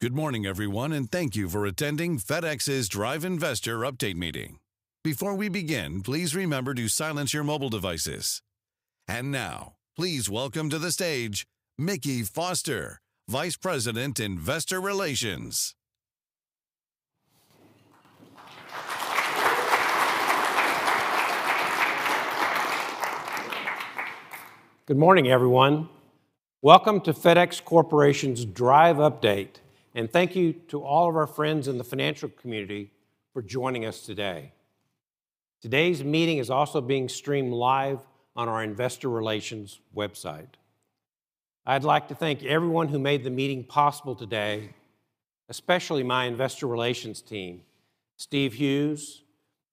Good morning, everyone. Thank you for attending FedEx's DRIVE Investor update meeting. Before we begin, please remember to silence your mobile devices. Now, please welcome to the stage Mickey Foster, Vice President, Investor Relations. Good morning, everyone. Welcome to FedEx Corporation's DRIVE Update, and thank you to all of our friends in the financial community for joining us today. Today's meeting is also being streamed live on our investor relations website. I'd like to thank everyone who made the meeting possible today, especially my investor relations team, Steve Hughes,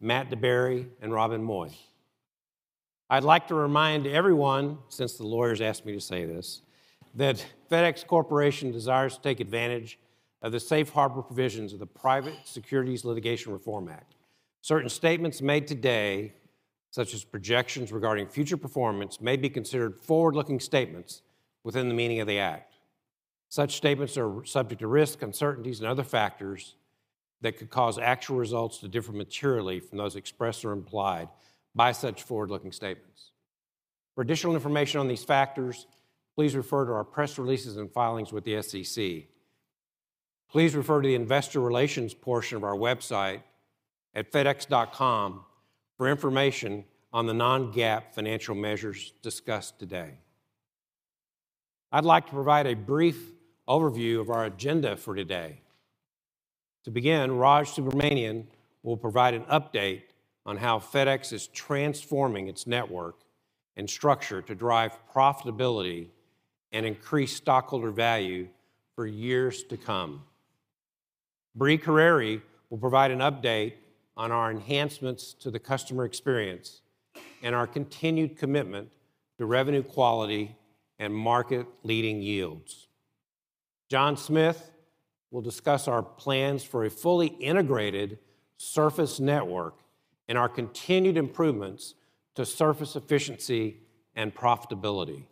Matt DeBerry, and Robyn Moye. I'd like to remind everyone, since the lawyers asked me to say this, that FedEx Corporation desires to take advantage of the safe harbor provisions of the Private Securities Litigation Reform Act. Certain statements made today, such as projections regarding future performance, may be considered forward-looking statements within the meaning of the Act. Such statements are subject to risk, uncertainties, and other factors that could cause actual results to differ materially from those expressed or implied by such forward-looking statements. For additional information on these factors, please refer to our press releases and filings with the SEC. Please refer to the investor relations portion of our website at fedex.com for information on the non-GAAP financial measures discussed today. I'd like to provide a brief overview of our agenda for today. To begin, Raj Subramaniam will provide an update on how FedEx is transforming its network and structure to drive profitability and increase stockholder value for years to come. Brie Carere will provide an update on our enhancements to the customer experience and our continued commitment to revenue quality and market-leading yields. John Smith will discuss our plans for a fully integrated surface network and our continued improvements to surface efficiency and profitability.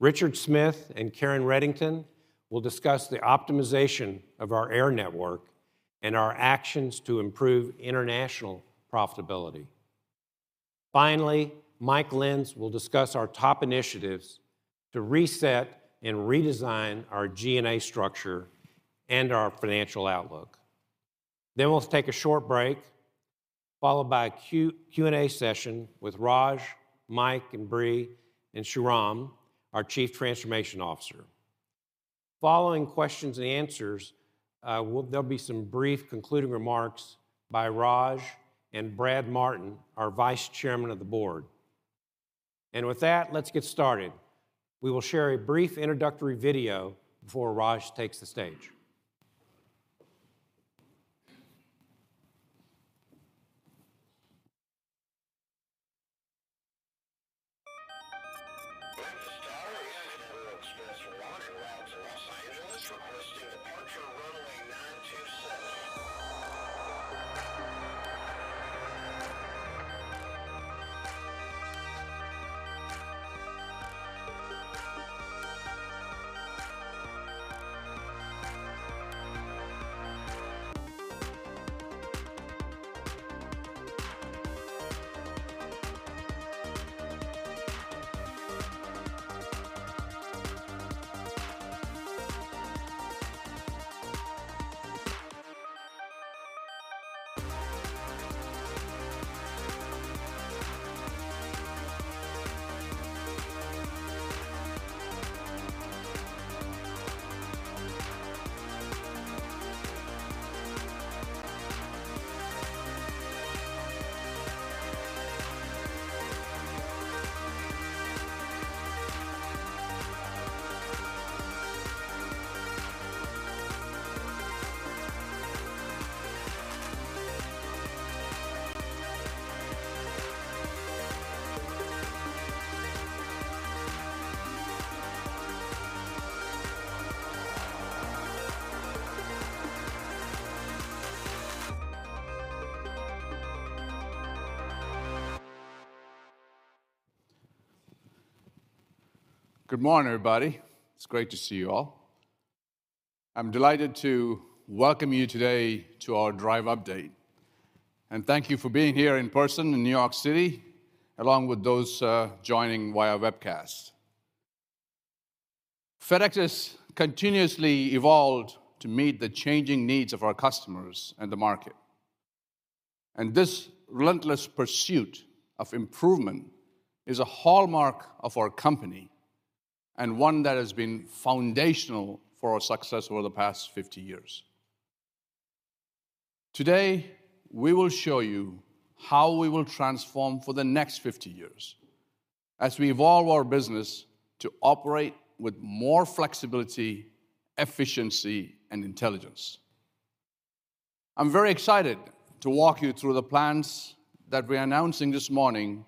Richard Smith and Karen Reddington will discuss the optimization of our air network and our actions to improve international profitability. Mike Lenz will discuss our top initiatives to reset and redesign our G&A structure and our financial outlook. We'll take a short break, followed by a Q&A session with Raj, Mike, and Brie, and Sriram, our Chief Transformation Officer. Following questions and answers, there'll be some brief concluding remarks by Raj and Brad Martin, our Vice Chairman of the Board. Let's get started. We will share a brief introductory video before Raj takes the stage. FedEx Tower, International Express from London bound to Los Angeles, request departure runway 927. Good morning, everybody. It's great to see you all. I'm delighted to welcome you today to our DRIVE Update. Thank you for being here in person in New York City, along with those joining via webcast. FedEx has continuously evolved to meet the changing needs of our customers and the market. This relentless pursuit of improvement is a hallmark of our company and one that has been foundational for our success over the past 50 years. Today, we will show you how we will transform for the next 50 years as we evolve our business to operate with more flexibility, efficiency, and intelligence. I'm very excited to walk you through the plans that we're announcing this morning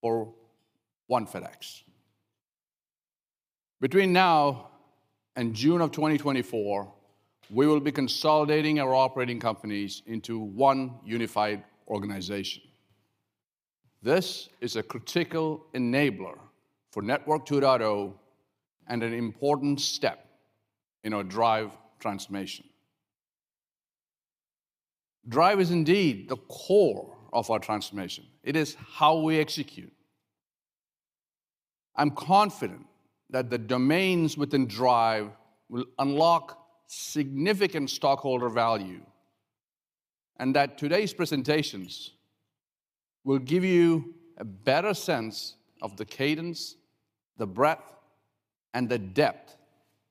for One FedEx. Between now and June of 2024, we will be consolidating our operating companies into one unified organization. This is a critical enabler for Network 2.0 and an important step in our DRIVE transformation. DRIVE is indeed the core of our transformation. It is how we execute. I'm confident that the domains within DRIVE will unlock significant stockholder value and that today's presentations will give you a better sense of the cadence, the breadth, and the depth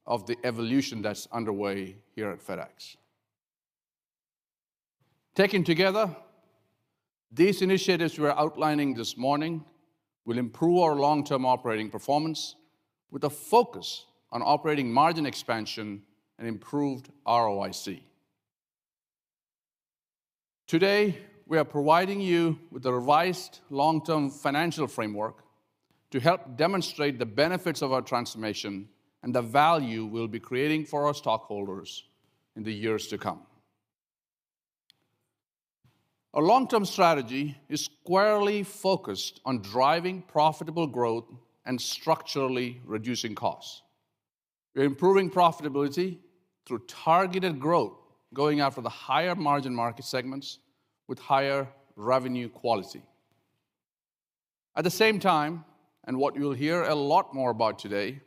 of the evolution that's underway here at FedEx. Taken together, these initiatives we're outlining this morning will improve our long-term operating performance with a focus on operating margin expansion and improved ROIC. Today, we are providing you with a revised long-term financial framework to help demonstrate the benefits of our transformation and the value we'll be creating for our stockholders in the years to come. Our long-term strategy is squarely focused on driving profitable growth and structurally reducing costs. We're improving profitability through targeted growth, going after the higher margin market segments with higher revenue quality. At the same time, what you'll hear a lot more about today,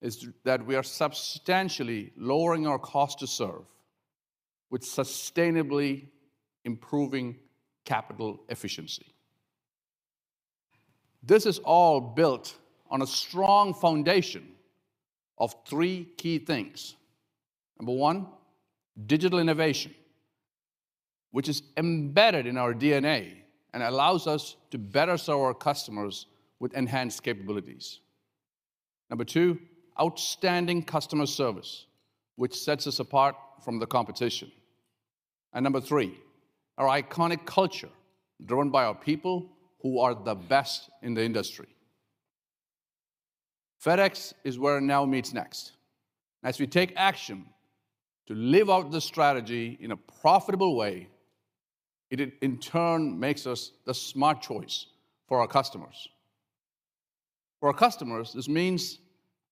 is that we are substantially lowering our cost to serve with sustainably improving capital efficiency. This is all built on a strong foundation of three key things. Number one, digital innovation, which is embedded in our DNA and allows us to better serve our customers with enhanced capabilities. Number two, outstanding customer service, which sets us apart from the competition. Number three, our iconic culture, driven by our people who are the best in the industry. FedEx is where now meets next. As we take action to live out this strategy in a profitable way, it in turn makes us the smart choice for our customers. For our customers, this means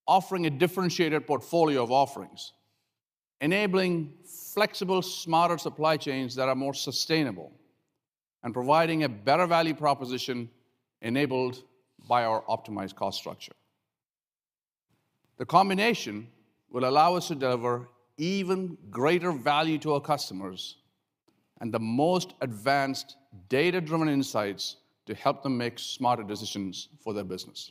offering a differentiated portfolio of offerings, enabling flexible, smarter supply chains that are more sustainable, and providing a better value proposition enabled by our optimized cost structure. The combination will allow us to deliver even greater value to our customers and the most advanced data-driven insights to help them make smarter decisions for their business.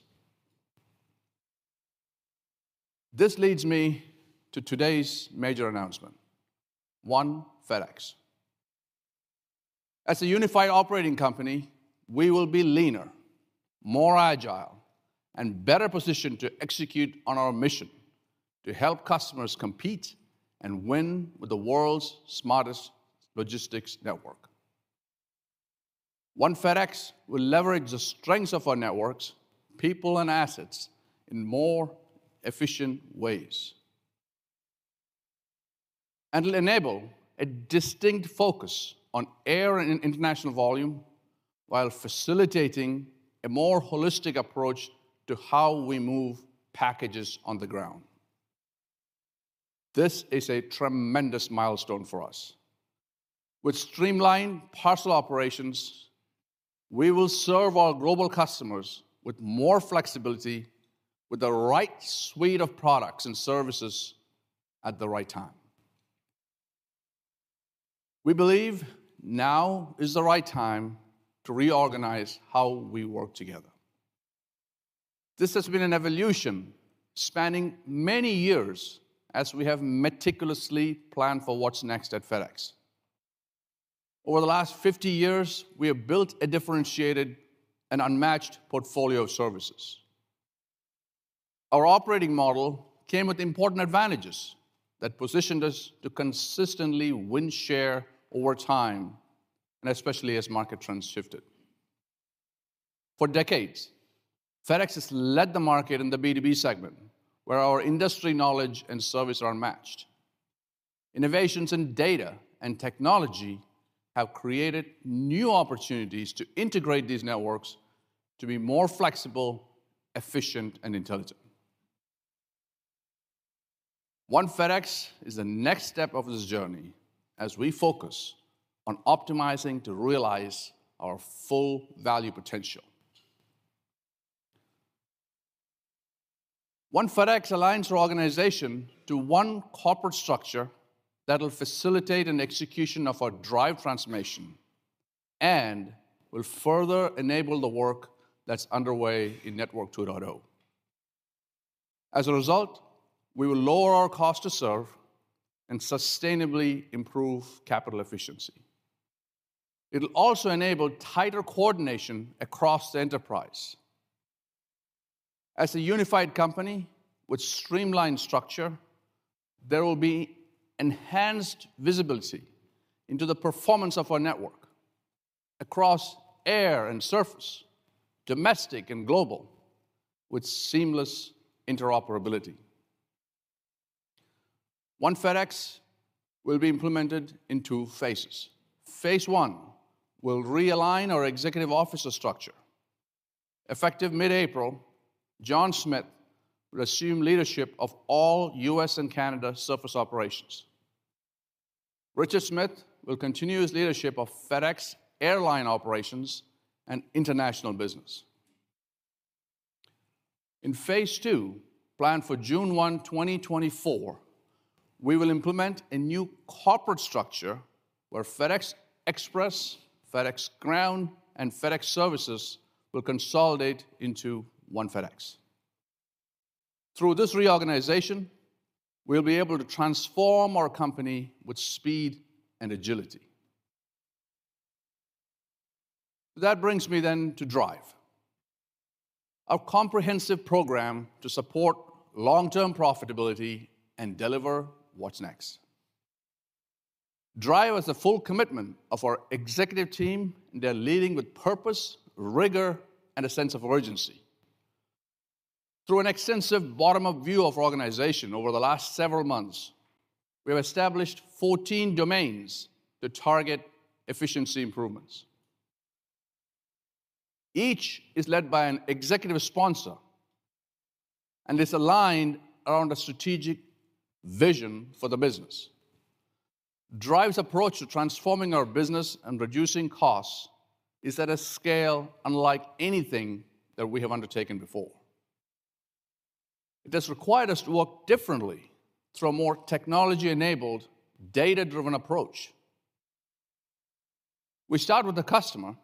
This leads me to today's major announcement, One FedEx. As a unified operating company, we will be leaner, more agile, and better positioned to execute on our mission to help customers compete and win with the world's smartest logistics network. One FedEx will leverage the strengths of our networks, people, and assets in more efficient ways. It'll enable a distinct focus on air and international volume while facilitating a more holistic approach to how we move packages on the ground. This is a tremendous milestone for us. With streamlined parcel operations, we will serve our global customers with more flexibility with the right suite of products and services at the right time. We believe now is the right time to reorganize how we work together. This has been an evolution spanning many years as we have meticulously planned for what's next at FedEx. Over the last 50 years, we have built a differentiated and unmatched portfolio of services. Our operating model came with important advantages that positioned us to consistently win share over time, and especially as market trends shifted. For decades, FedEx has led the market in the B2B segment, where our industry knowledge and service are unmatched. Innovations in data and technology have created new opportunities to integrate these networks to be more flexible, efficient, and intelligent. One FedEx is the next step of this journey as we focus on optimizing to realize our full value potential. One FedEx aligns our organization to one corporate structure that'll facilitate an execution of our DRIVE transformation and will further enable the work that's underway in Network 2.0. As a result, we will lower our cost to serve and sustainably improve capital efficiency. It'll also enable tighter coordination across the enterprise. As a unified company with streamlined structure, there will be enhanced visibility into the performance of our network across air and surface, domestic and global, with seamless interoperability. One FedEx will be implemented phases. Phase I will realign our executive officer structure. Effective mid-April, John Smith will assume leadership of all U.S. and Canada surface operations. Richard Smith will continue his leadership of FedEx airline operations and international business. In phase II, planned for June 1, 2024, we will implement a new corporate structure where FedEx Express, FedEx Ground, and FedEx Services will consolidate into One FedEx. Through this reorganization, we'll be able to transform our company with speed and agility. Brings me then to DRIVE, our comprehensive program to support long-term profitability and deliver what's next. DRIVE has the full commitment of our executive team. They're leading with purpose, rigor, and a sense of urgency. Through an extensive bottom-up view of our organization over the last several months, we have established 14 domains that target efficiency improvements. Each is led by an executive sponsor and is aligned around a strategic vision for the business. DRIVE's approach to transforming our business and reducing costs is at a scale unlike anything that we have undertaken before. It has required us to work differently through a more technology-enabled, data-driven approach. We start with the customer,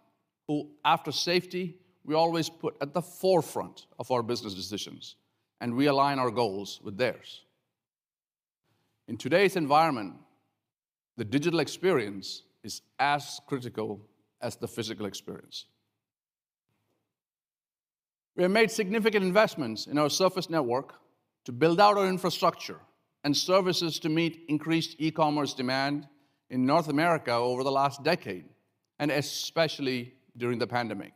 who, after safety, we always put at the forefront of our business decisions and realign our goals with theirs. In today's environment, the digital experience is as critical as the physical experience. We have made significant investments in our surface network to build out our infrastructure and services to meet increased e-commerce demand in North America over the last decade, and especially during the pandemic.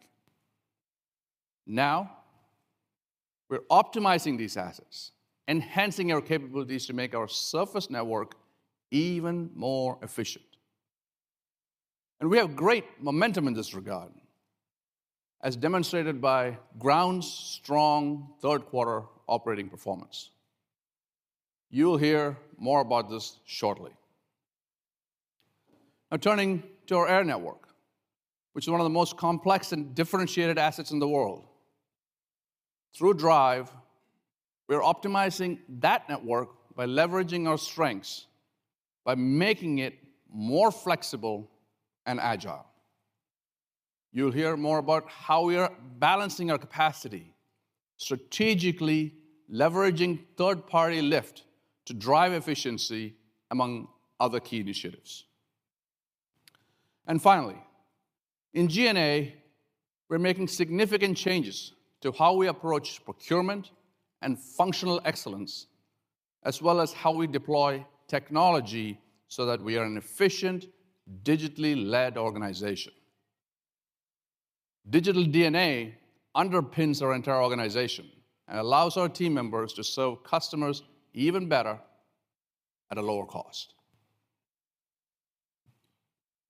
Now, we're optimizing these assets, enhancing our capabilities to make our surface network even more efficient. We have great momentum in this regard, as demonstrated by Ground's strong third quarter operating performance. You'll hear more about this shortly. Now turning to our air network, which is one of the most complex and differentiated assets in the world. Through DRIVE, we are optimizing that network by leveraging our strengths, by making it more flexible and agile. You'll hear more about how we are balancing our capacity, strategically leveraging third-party lift to drive efficiency, among other key initiatives. Finally, in G&A, we're making significant changes to how we approach procurement and functional excellence, as well as how we deploy technology so that we are an efficient, digitally-led organization. Digital DNA underpins our entire organization and allows our team members to serve customers even better at a lower cost.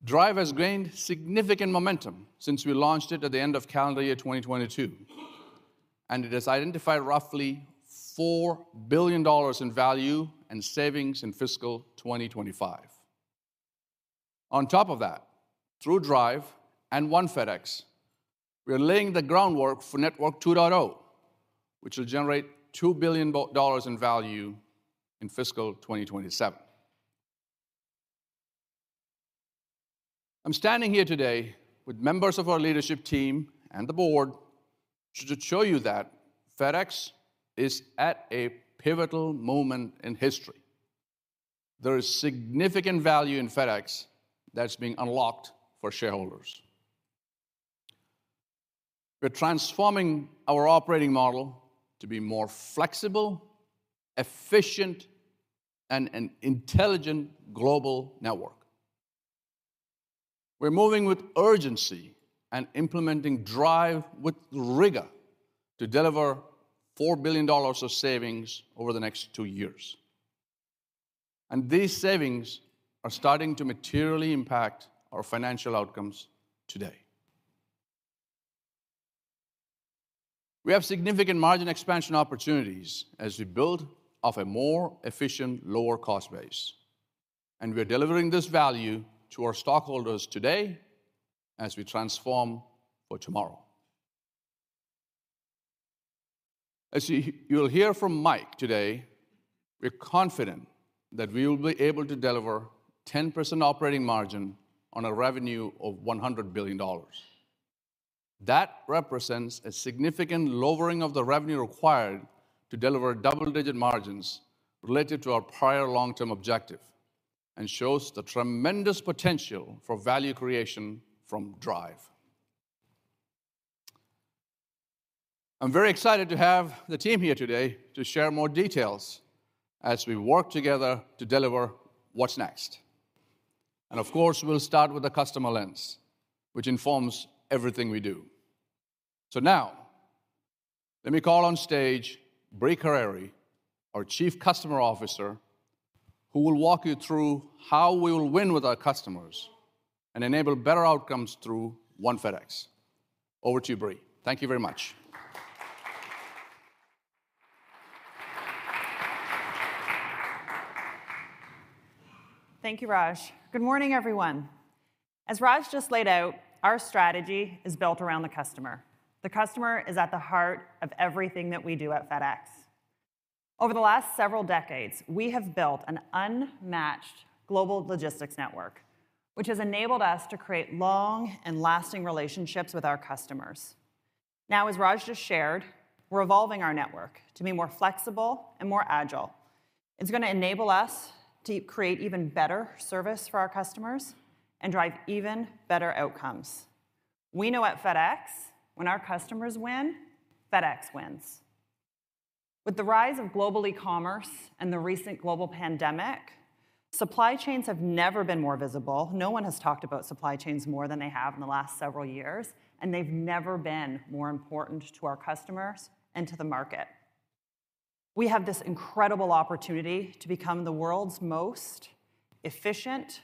DRIVE has gained significant momentum since we launched it at the end of calendar year 2022, and it has identified roughly $4 billion in value and savings in fiscal 2025. On top of that, through DRIVE and One FedEx, we are laying the groundwork for Network 2.0, which will generate $2 billion in value in fiscal 2027. I'm standing here today with members of our leadership team and the board to show you that FedEx is at a pivotal moment in history. There is significant value in FedEx that's being unlocked for shareholders. We're transforming our operating model to be more flexible, efficient, and an intelligent global network. We're moving with urgency and implementing DRIVE with rigor to deliver $4 billion of savings over the next two years, and these savings are starting to materially impact our financial outcomes today. We have significant margin expansion opportunities as we build off a more efficient, lower cost base, and we're delivering this value to our stockholders today as we transform for tomorrow. As you'll hear from Mike Lenz today, we're confident that we will be able to deliver 10% operating margin on a revenue of $100 billion. That represents a significant lowering of the revenue required to deliver double-digit margins related to our prior long-term objective and shows the tremendous potential for value creation from DRIVE. I'm very excited to have the team here today to share more details as we work together to deliver what's next. Of course, we'll start with the customer lens, which informs everything we do. Let me call on stage Brie Carere, our Chief Customer Officer, who will walk you through how we will win with our customers and enable better outcomes through One FedEx. Over to you, Brie. Thank you very much. Thank you, Raj. Good morning, everyone. As Raj just laid out, our strategy is built around the customer. The customer is at the heart of everything that we do at FedEx. Over the last several decades, we have built an unmatched global logistics network, which has enabled us to create long and lasting relationships with our customers. As Raj just shared, we're evolving our network to be more flexible and more agile. It's gonna enable us to create even better service for our customers and drive even better outcomes. We know at FedEx, when our customers win, FedEx wins. With the rise of global e-commerce and the recent global pandemic, supply chains have never been more visible. No one has talked about supply chains more than they have in the last several years, and they've never been more important to our customers and to the market. We have this incredible opportunity to become the world's most efficient,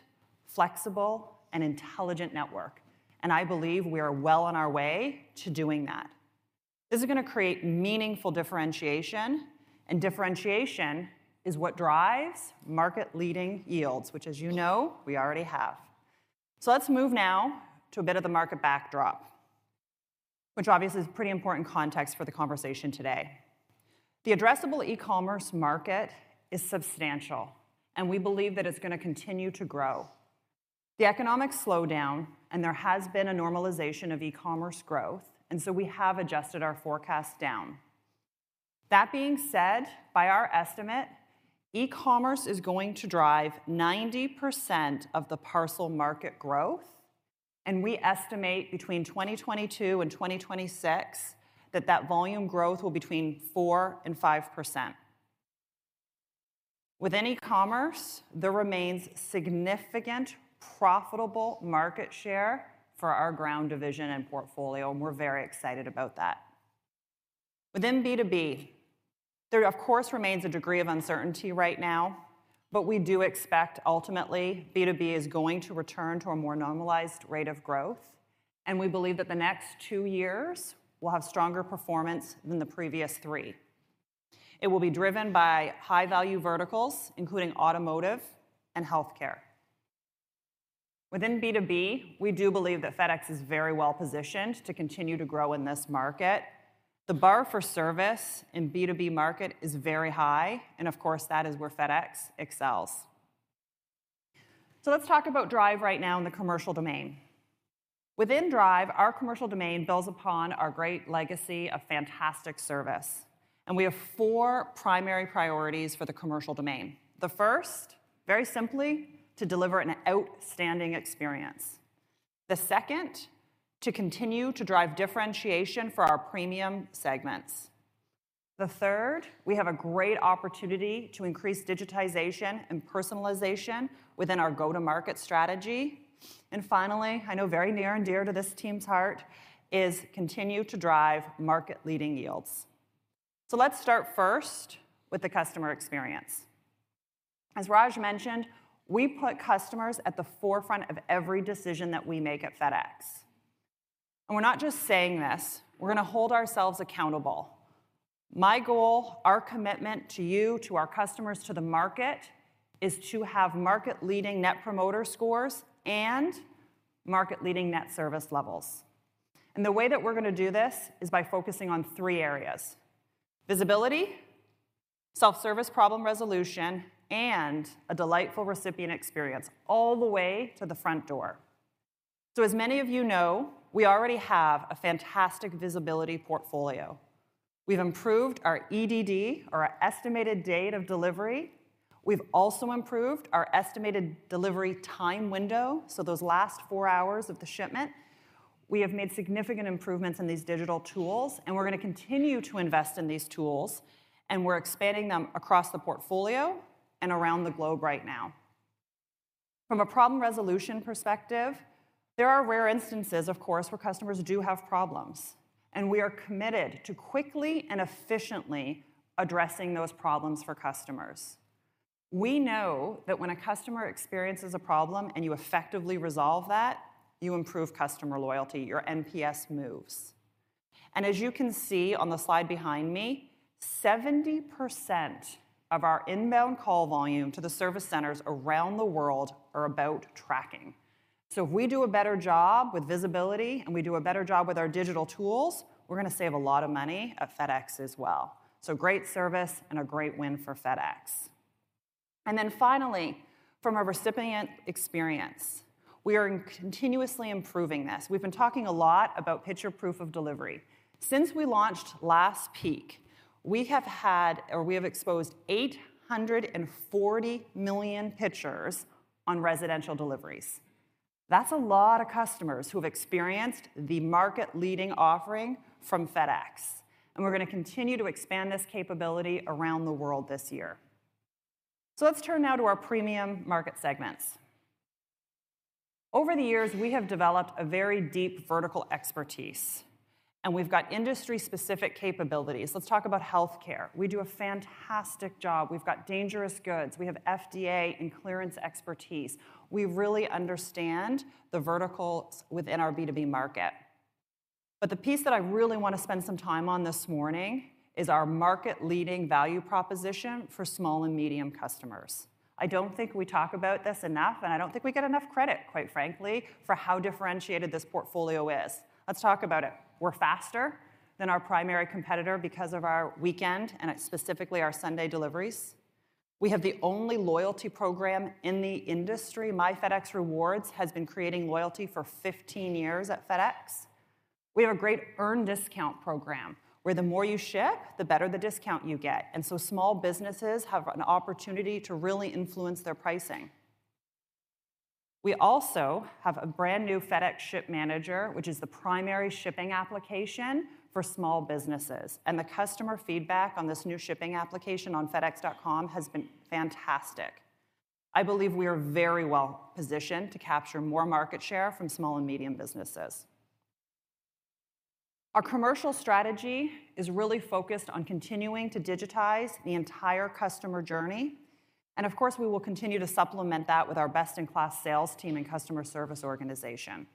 flexible, and intelligent network. I believe we are well on our way to doing that. This is gonna create meaningful differentiation. Differentiation is what drives market-leading yields, which, as you know, we already have. Let's move now to a bit of the market backdrop, which obviously is pretty important context for the conversation today. The addressable e-commerce market is substantial. We believe that it's gonna continue to grow. The economic slowdown. There has been a normalization of e-commerce growth. We have adjusted our forecast down. That being said, by our estimate, e-commerce is going to drive 90% of the parcel market growth. We estimate between 2022 and 2026 that that volume growth will between 4% and 5%. Within e-commerce, there remains significant profitable market share for our ground division and portfolio. We're very excited about that. Within B2B, there of course remains a degree of uncertainty right now. We do expect ultimately B2B is going to return to a more normalized rate of growth. We believe that the next two years will have stronger performance than the previous three. It will be driven by high-value verticals, including automotive and healthcare. Within B2B, we do believe that FedEx is very well-positioned to continue to grow in this market. The bar for service in B2B market is very high. Of course, that is where FedEx excels. Let's talk about DRIVE right now in the commercial domain. Within DRIVE, our commercial domain builds upon our great legacy of fantastic service. We have 4 primary priorities for the commercial domain. The first, very simply, to deliver an outstanding experience. The second, to continue to drive differentiation for our premium segments. The third, we have a great opportunity to increase digitization and personalization within our go-to-market strategy. Finally, I know very near and dear to this team's heart, is continue to drive market-leading yields. Let's start first with the customer experience. As Raj mentioned, we put customers at the forefront of every decision that we make at FedEx. We're not just saying this, we're gonna hold ourselves accountable. My goal, our commitment to you, to our customers, to the market, is to have market-leading net promoter scores and market-leading net service levels. The way that we're gonna do this is by focusing on three areas: visibility, self-service problem resolution, and a delightful recipient experience all the way to the front door. As many of you know, we already have a fantastic visibility portfolio. We've improved our EDD, or our estimated date of delivery. We've also improved our estimated delivery time window, so those last four hours of the shipment. We have made significant improvements in these digital tools, and we're gonna continue to invest in these tools, and we're expanding them across the portfolio and around the globe right now. From a problem resolution perspective, there are rare instances, of course, where customers do have problems, and we are committed to quickly and efficiently addressing those problems for customers. We know that when a customer experiences a problem and you effectively resolve that, you improve customer loyalty, your NPS moves. As you can see on the slide behind me, 70% of our inbound call volume to the service centers around the world are about tracking. If we do a better job with visibility and we do a better job with our digital tools, we're gonna save a lot of money at FedEx as well. Great service and a great win for FedEx. Finally, from a recipient experience, we are continuously improving this. We've been talking a lot about Picture Proof of Delivery. Since we launched last peak, we have had or we have exposed 840 million pictures on residential deliveries. That's a lot of customers who have experienced the market-leading offering from FedEx, and we're gonna continue to expand this capability around the world this year. Let's turn now to our premium market segments. Over the years, we have developed a very deep vertical expertise, and we've got industry-specific capabilities. Let's talk about healthcare. We do a fantastic job. We've got dangerous goods. We have FDA and clearance expertise. We really understand the verticals within our B2B market. The piece that I really want to spend some time on this morning is our market-leading value proposition for small and medium customers. I don't think we talk about this enough, and I don't think we get enough credit, quite frankly, for how differentiated this portfolio is. Let's talk about it. We're faster than our primary competitor because of our weekend and specifically our Sunday deliveries. We have the only loyalty program in the industry. My FedEx Rewards has been creating loyalty for 15 years at FedEx. We have a great earn discount program where the more you ship, the better the discount you get. Small businesses have an opportunity to really influence their pricing. We also have a brand-new FedEx Ship Manager, which is the primary shipping application for small businesses. The customer feedback on this new shipping application on fedex.com has been fantastic. I believe we are very well-positioned to capture more market share from small and medium businesses. Our commercial strategy is really focused on continuing to digitize the entire customer journey. Of course, we will continue to supplement that with our best-in-class sales team and customer service organization.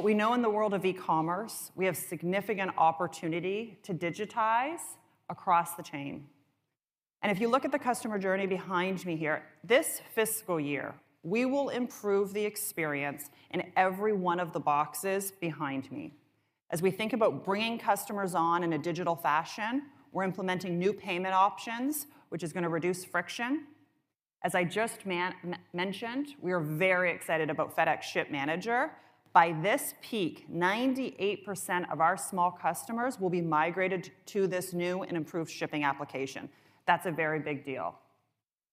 We know in the world of e-commerce, we have significant opportunity to digitize across the chain. If you look at the customer journey behind me here, this fiscal year, we will improve the experience in every one of the boxes behind me. As we think about bringing customers on in a digital fashion, we're implementing new payment options, which is going to reduce friction. As I just mentioned, we are very excited about FedEx Ship Manager. By this peak, 98% of our small customers will be migrated to this new and improved shipping application. That's a very big deal.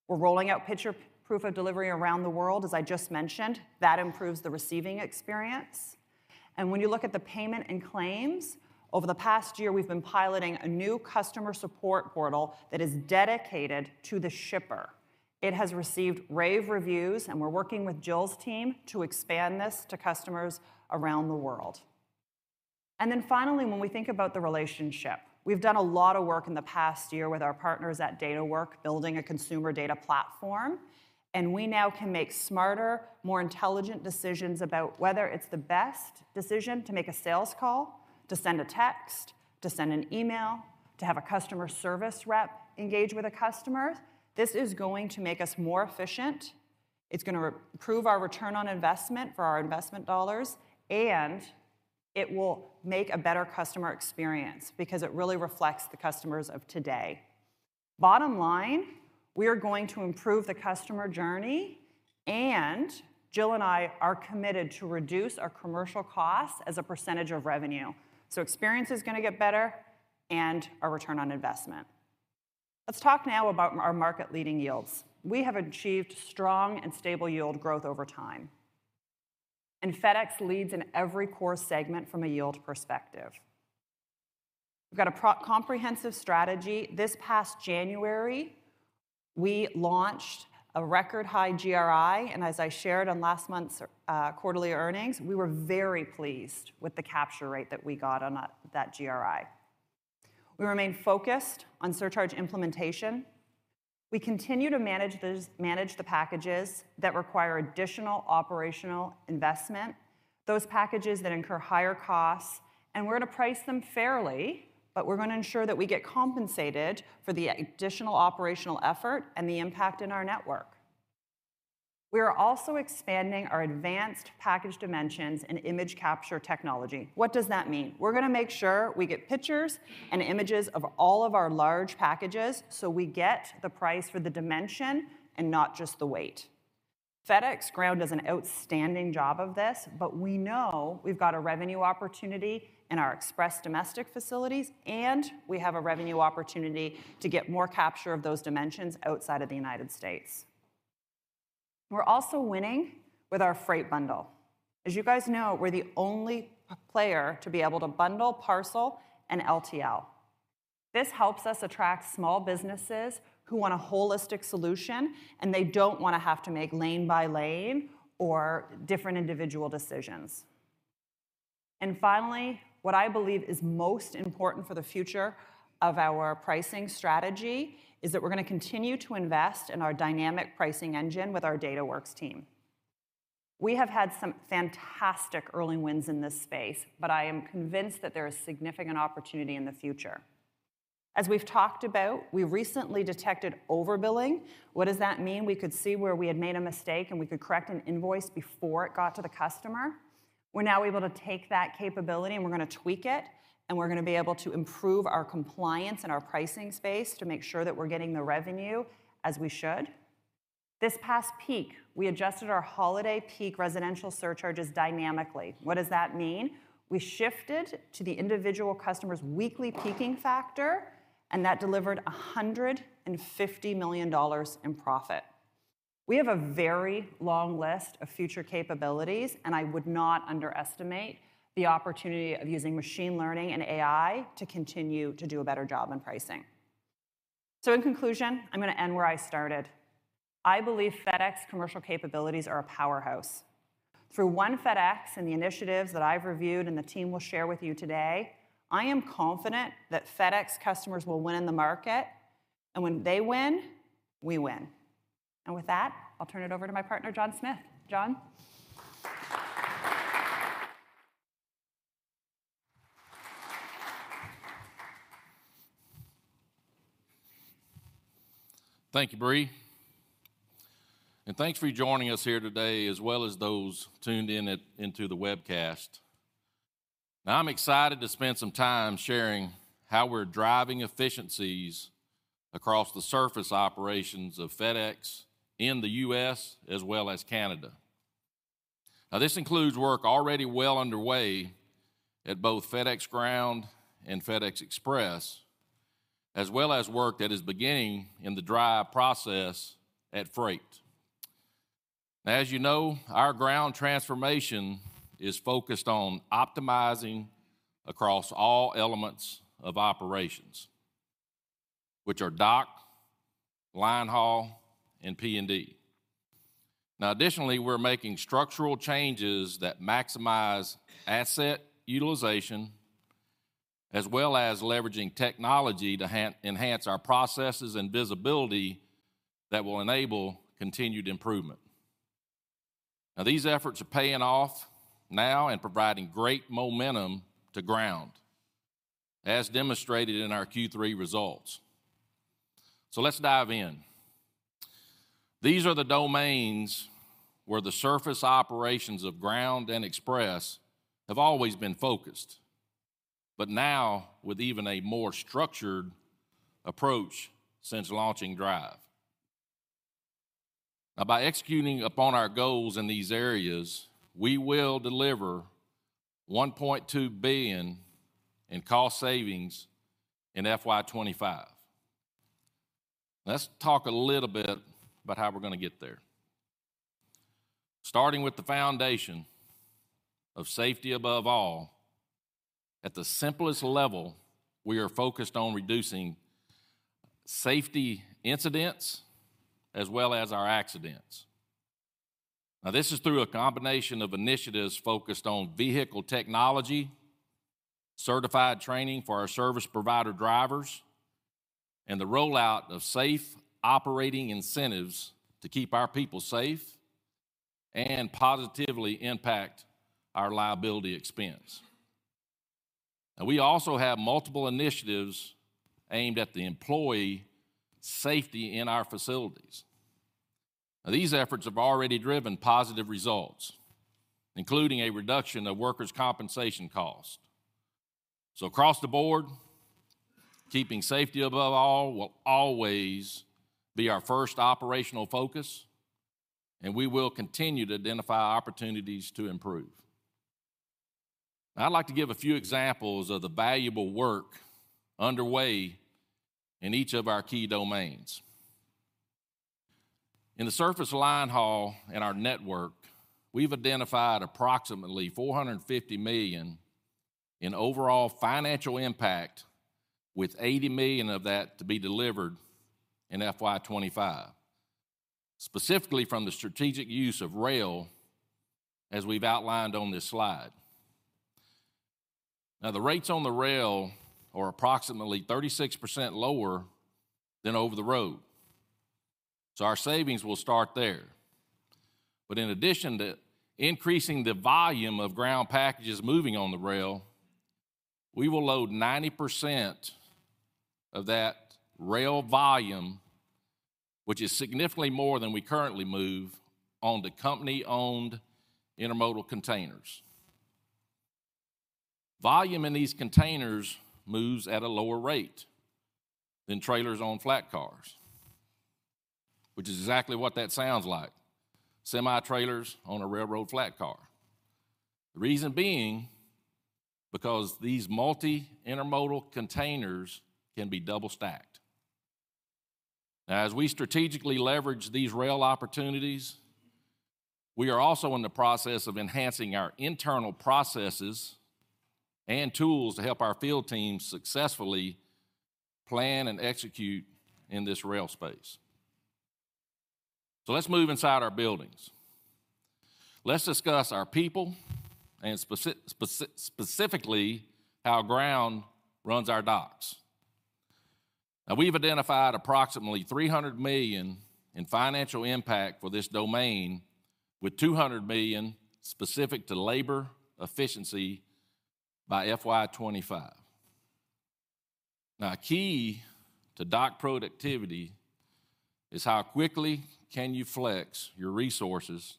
We're rolling out Picture Proof of Delivery around the world, as I just mentioned. That improves the receiving experience. When you look at the payment and claims, over the past year, we've been piloting a new customer support portal that is dedicated to the shipper. It has received rave reviews, and we're working with Jill's team to expand this to customers around the world. Finally, when we think about the relationship, we've done a lot of work in the past year with our partners at Dataworks building a consumer data platform, and we now can make smarter, more intelligent decisions about whether it's the best decision to make a sales call, to send a text, to send an email, to have a customer service rep engage with a customer. This is going to make us more efficient. It's going to improve our return on investment for our investment dollars, and it will make a better customer experience because it really reflects the customers of today. Bottom line, we are going to improve the customer journey, and Jill and I are committed to reduce our commercial costs as a percentage of revenue. Experience is going to get better and our return on investment. Let's talk now about our market-leading yields. We have achieved strong and stable yield growth over time. FedEx leads in every core segment from a yield perspective. We've got a pro-comprehensive strategy. This past January, we launched a record high GRI, and as I shared on last month's quarterly earnings, we were very pleased with the capture rate that we got on that GRI. We remain focused on surcharge implementation. We continue to manage the packages that require additional operational investment, those packages that incur higher costs, and we're going to price them fairly, but we're going to ensure that we get compensated for the additional operational effort and the impact in our network. We are also expanding our advanced package dimensions and image capture technology. What does that mean? We're going to make sure we get pictures and images of all of our large packages, so we get the price for the dimension and not just the weight. FedEx Ground does an outstanding job of this, but we know we've got a revenue opportunity in our express domestic facilities, and we have a revenue opportunity to get more capture of those dimensions outside of the United States. We're also winning with our freight bundle. As you guys know, we're the only player to be able to bundle parcel and LTL. This helps us attract small businesses who want a holistic solution, and they don't want to have to make lane by lane or different individual decisions. Finally, what I believe is most important for the future of our pricing strategy is that we're going to continue to invest in our dynamic pricing engine with our Dataworks team. We have had some fantastic early wins in this space. I am convinced that there is significant opportunity in the future. As we've talked about, we recently detected overbilling. What does that mean? We could see where we had made a mistake. We could correct an invoice before it got to the customer. We're now able to take that capability. We're going to tweak it. We're going to be able to improve our compliance and our pricing space to make sure that we're getting the revenue as we should. This past peak, we adjusted our holiday peak residential surcharges dynamically. What does that mean? We shifted to the individual customer's weekly peaking factor. That delivered $150 million in profit. We have a very long list of future capabilities, and I would not underestimate the opportunity of using machine learning and AI to continue to do a better job in pricing. In conclusion, I'm gonna end where I started. I believe FedEx commercial capabilities are a powerhouse. Through One FedEx and the initiatives that I've reviewed and the team will share with you today, I am confident that FedEx customers will win in the market. When they win, we win. With that, I'll turn it over to my partner, John Smith. John. Thank you, Brie. Thanks for joining us here today as well as those tuned in into the webcast. I'm excited to spend some time sharing how we're driving efficiencies across the surface operations of FedEx in the U.S. as well as Canada. This includes work already well underway at both FedEx Ground and FedEx Express, as well as work that is beginning in the dry process at Freight. As you know, our ground transformation is focused on optimizing across all elements of operations, which are dock, line haul, and P&D. Additionally, we're making structural changes that maximize asset utilization, as well as leveraging technology to enhance our processes and visibility that will enable continued improvement. These efforts are paying off now and providing great momentum to ground, as demonstrated in our Q3 results. Let's dive in. These are the domains where the surface operations of Ground and Express have always been focused, now with even a more structured approach since launching DRIVE. By executing upon our goals in these areas, we will deliver $1.2 billion in cost savings in FY 2025. Let's talk a little bit about how we're gonna get there. Starting with the foundation of safety above all, at the simplest level, we are focused on reducing safety incidents as well as our accidents. This is through a combination of initiatives focused on vehicle technology, certified training for our service provider drivers, and the rollout of safe operating incentives to keep our people safe and positively impact our liability expense. We also have multiple initiatives aimed at the employee safety in our facilities. These efforts have already driven positive results, including a reduction of workers' compensation cost. Across the board, keeping safety above all will always be our first operational focus, and we will continue to identify opportunities to improve. I'd like to give a few examples of the valuable work underway in each of our key domains. In the surface line haul in our network, we've identified approximately $450 million in overall financial impact with $80 million of that to be FY 2025, specifically from the strategic use of rail as we've outlined on this slide. The rates on the rail are approximately 36% lower than over the road. Our savings will start there. In addition to increasing the volume of ground packages moving on the rail, we will load 90% of that rail volume, which is significantly more than we currently move, onto company-owned intermodal containers. Volume in these containers moves at a lower rate than trailers on flat cars, which is exactly what that sounds like. Semi-trailers on a railroad flat car. The reason being because these multi intermodal containers can be double-stacked. As we strategically leverage these rail opportunities, we are also in the process of enhancing our internal processes and tools to help our field teams successfully plan and execute in this rail space. Let's move inside our buildings. Let's discuss our people and specifically how Ground runs our docks. We've identified approximately $300 million in financial impact for this domain, with $200 million specific to labor efficiency by FY 2025. Key to dock productivity is how quickly can you flex your resources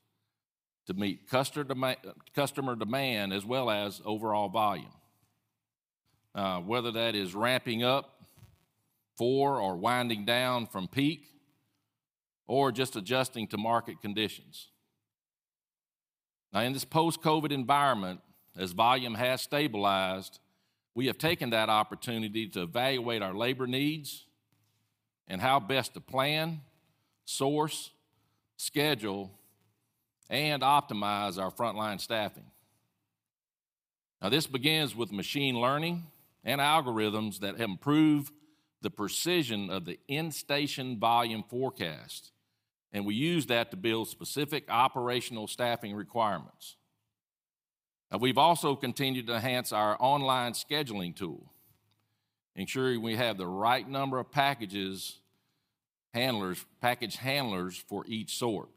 to meet customer demand as well as overall volume, whether that is ramping up for or winding down from peak or just adjusting to market conditions. In this post-COVID environment, as volume has stabilized, we have taken that opportunity to evaluate our labor needs and how best to plan, source, schedule, and optimize our frontline staffing. This begins with machine learning and algorithms that improve the precision of the in-station volume forecast. We use that to build specific operational staffing requirements. We've also continued to enhance our online scheduling tool, ensuring we have the right number of package handlers for each sort.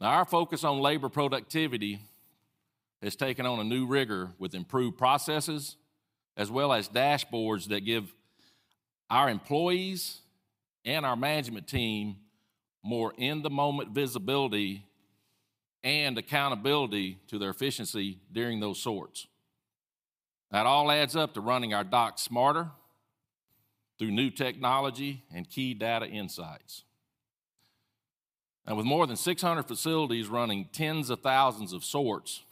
Our focus on labor productivity has taken on a new rigor with improved processes as well as dashboards that give our employees and our management team more in-the-moment visibility and accountability to their efficiency during those sorts. That all adds up to running our docks smarter through new technology and key data insights. With more than 600 facilities running tens of thousands of sorts,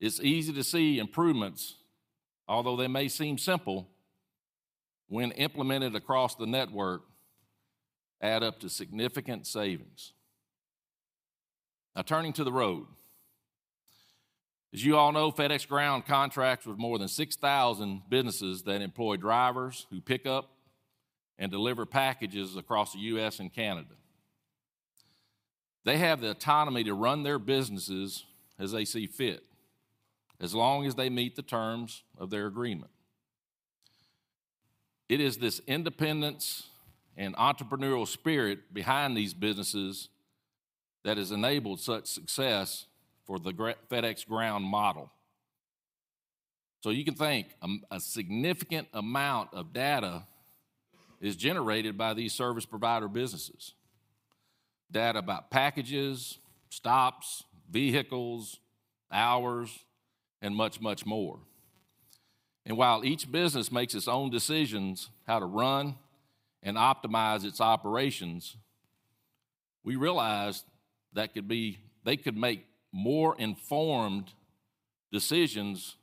it's easy to see improvements, although they may seem simple, when implemented across the network, add up to significant savings. Turning to the road. As you all know, FedEx Ground contracts with more than 6,000 businesses that employ drivers p and deliver packages across the U.S. and Canada. They have the autonomy to run their businesses as they see fit, as long as they meet the terms of their agreement. It is this independence and entrepreneurial spirit behind these businesses that has enabled such success for the FedEx Ground model. You can think, a significant amount of data is generated by these service provider businesses. Data about packages, stops, vehicles, hours, and much, much more. While each business makes its own decisions how to run and optimize its operations, we realized they could make more informed decisions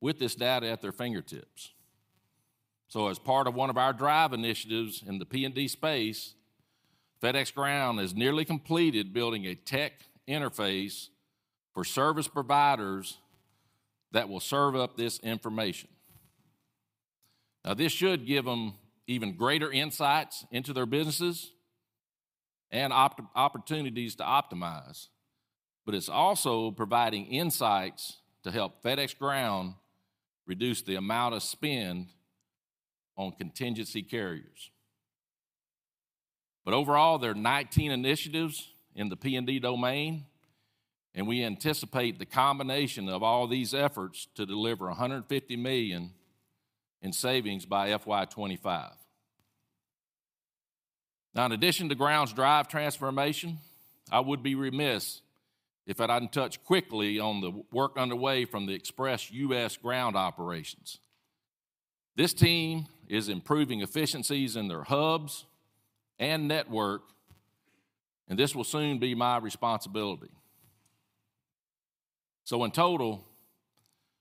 with this data at their fingertips. As part of one of our DRIVE initiatives in the P&D space, FedEx Ground has nearly completed building a tech interface for service providers that will serve up this information. This should give them even greater insights into their businesses and opportunities to optimize, but it's also providing insights to help FedEx Ground reduce the amount of spend on contingency carriers. overall, there are 19 initiatives in the P&D domain, and we anticipate the combination of all these efforts to deliver $150 million in savings by FY 2025. In addition to Ground's DRIVE transformation, I would be remiss if I didn't touch quickly on the work underway from the Express U.S. Ground operations. This team is improving efficiencies in their hubs and network, and this will soon be my responsibility. In total,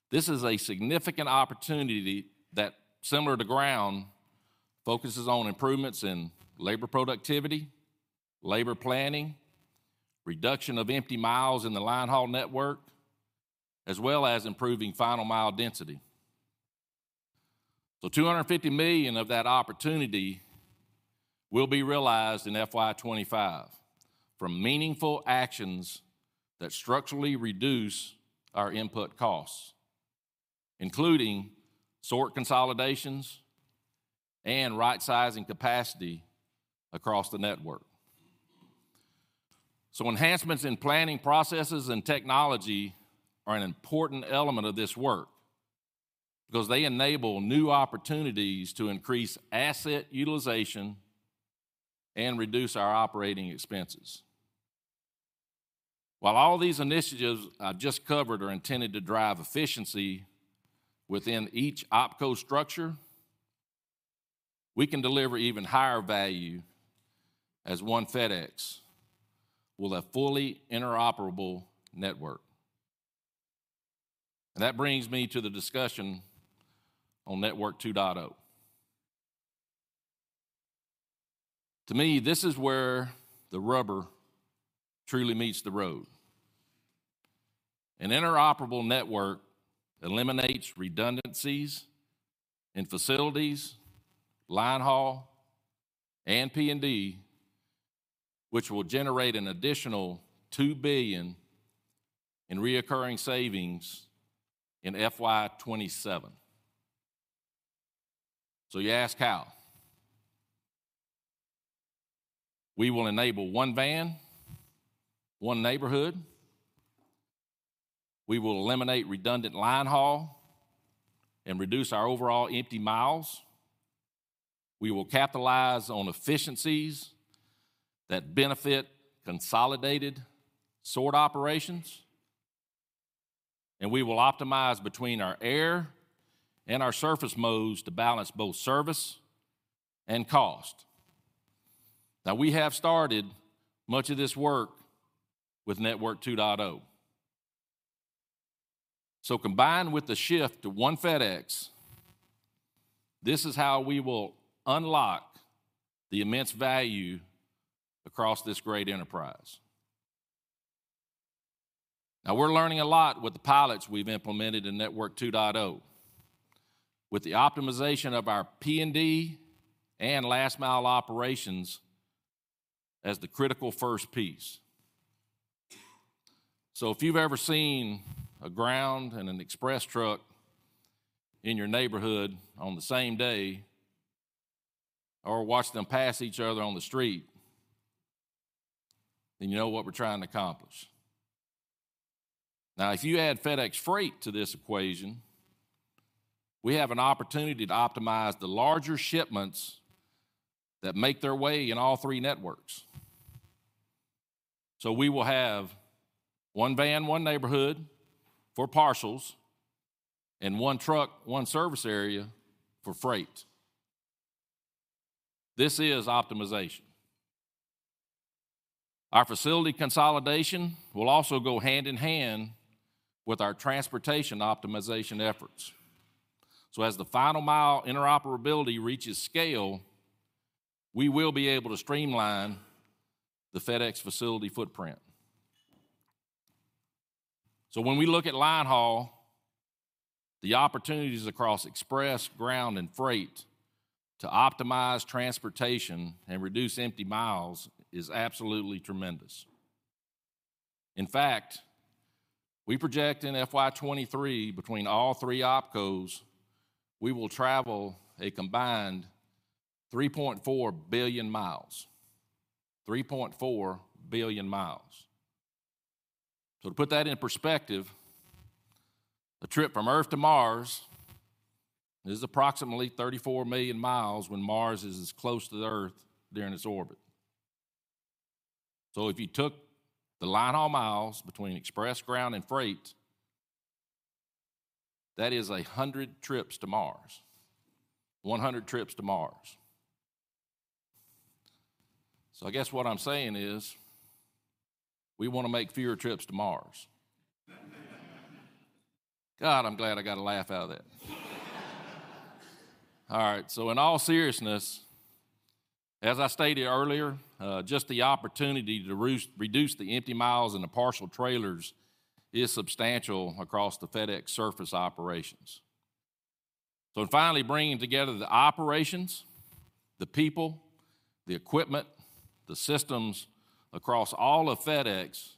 this is a significant opportunity that, similar to Ground, focuses on improvements in labor productivity, labor planning, reduction of empty miles in the line haul network, as well as improving final mile density. $250 million of that opportunity will be realized in FY 2025 from meaningful actions that structurally reduce our input costs, including sort consolidations and rightsizing capacity across the network. Enhancements in planning processes and technology are an important element of this work because they enable new opportunities to increase asset utilization and reduce our operating expenses. While all these initiatives I've just covered are intended to drive efficiency within each OpCo structure, we can deliver even higher value as One FedEx with a fully interoperable network. That brings me to the discussion on Network 2.0. To me, this is where the rubber truly meets the road. An interoperable network eliminates redundancies in facilities, line haul, and P&D, which will generate an additional $2 billion in recurring savings in FY 2027. You ask how. We will enable one van, one neighborhood. We will eliminate redundant line haul and reduce our overall empty miles. We will capitalize on efficiencies that benefit consolidated sort operations. We will optimize between our air and our surface modes to balance both service and cost. We have started much of this work with Network 2.0. Combined with the shift to One FedEx, this is how we will unlock the immense value across this great enterprise. We're learning a lot with the pilots we've implemented in Network 2.0. With the optimization of our P&D and last mile operations as the critical first piece. If you've ever seen a ground and an express truck in your neighborhood on the same day or watched them pass each other on the street, then you know what we're trying to accomplish. If you add FedEx Freight to this equation, we have an opportunity to optimize the larger shipments that make their way in all three networks. We will have one van, one neighborhood for parcels, and one truck, one service area for freight. This is optimization. Our facility consolidation will also go hand in hand with our transportation optimization efforts. As the final mile interoperability reaches scale, we will be able to streamline the FedEx facility footprint. When we look at line haul, the opportunities across FedEx Express, FedEx Ground, and FedEx Freight to optimize transportation and reduce empty miles is absolutely tremendous. In fact, we project in FY 2023, between all three opcos, we will travel a combined 3.4 mi billion. 3.4 mi billion. To put that in perspective, a trip from Earth to Mars is approximately 34 mi million when Mars is as close to the Earth during its orbit. If you took the line haul miles between Express, Ground, and Freight, that is 100 trips to Mars. 100 trips to Mars. I guess what I'm saying is we wanna make fewer trips to Mars. God, I'm glad I got a laugh out of that. In all seriousness, as I stated earlier, just the opportunity to re-reduce the empty miles in the parcel trailers is substantial across the FedEx surface operations. In finally bringing together the operations, the people, the equipment, the systems across all of FedEx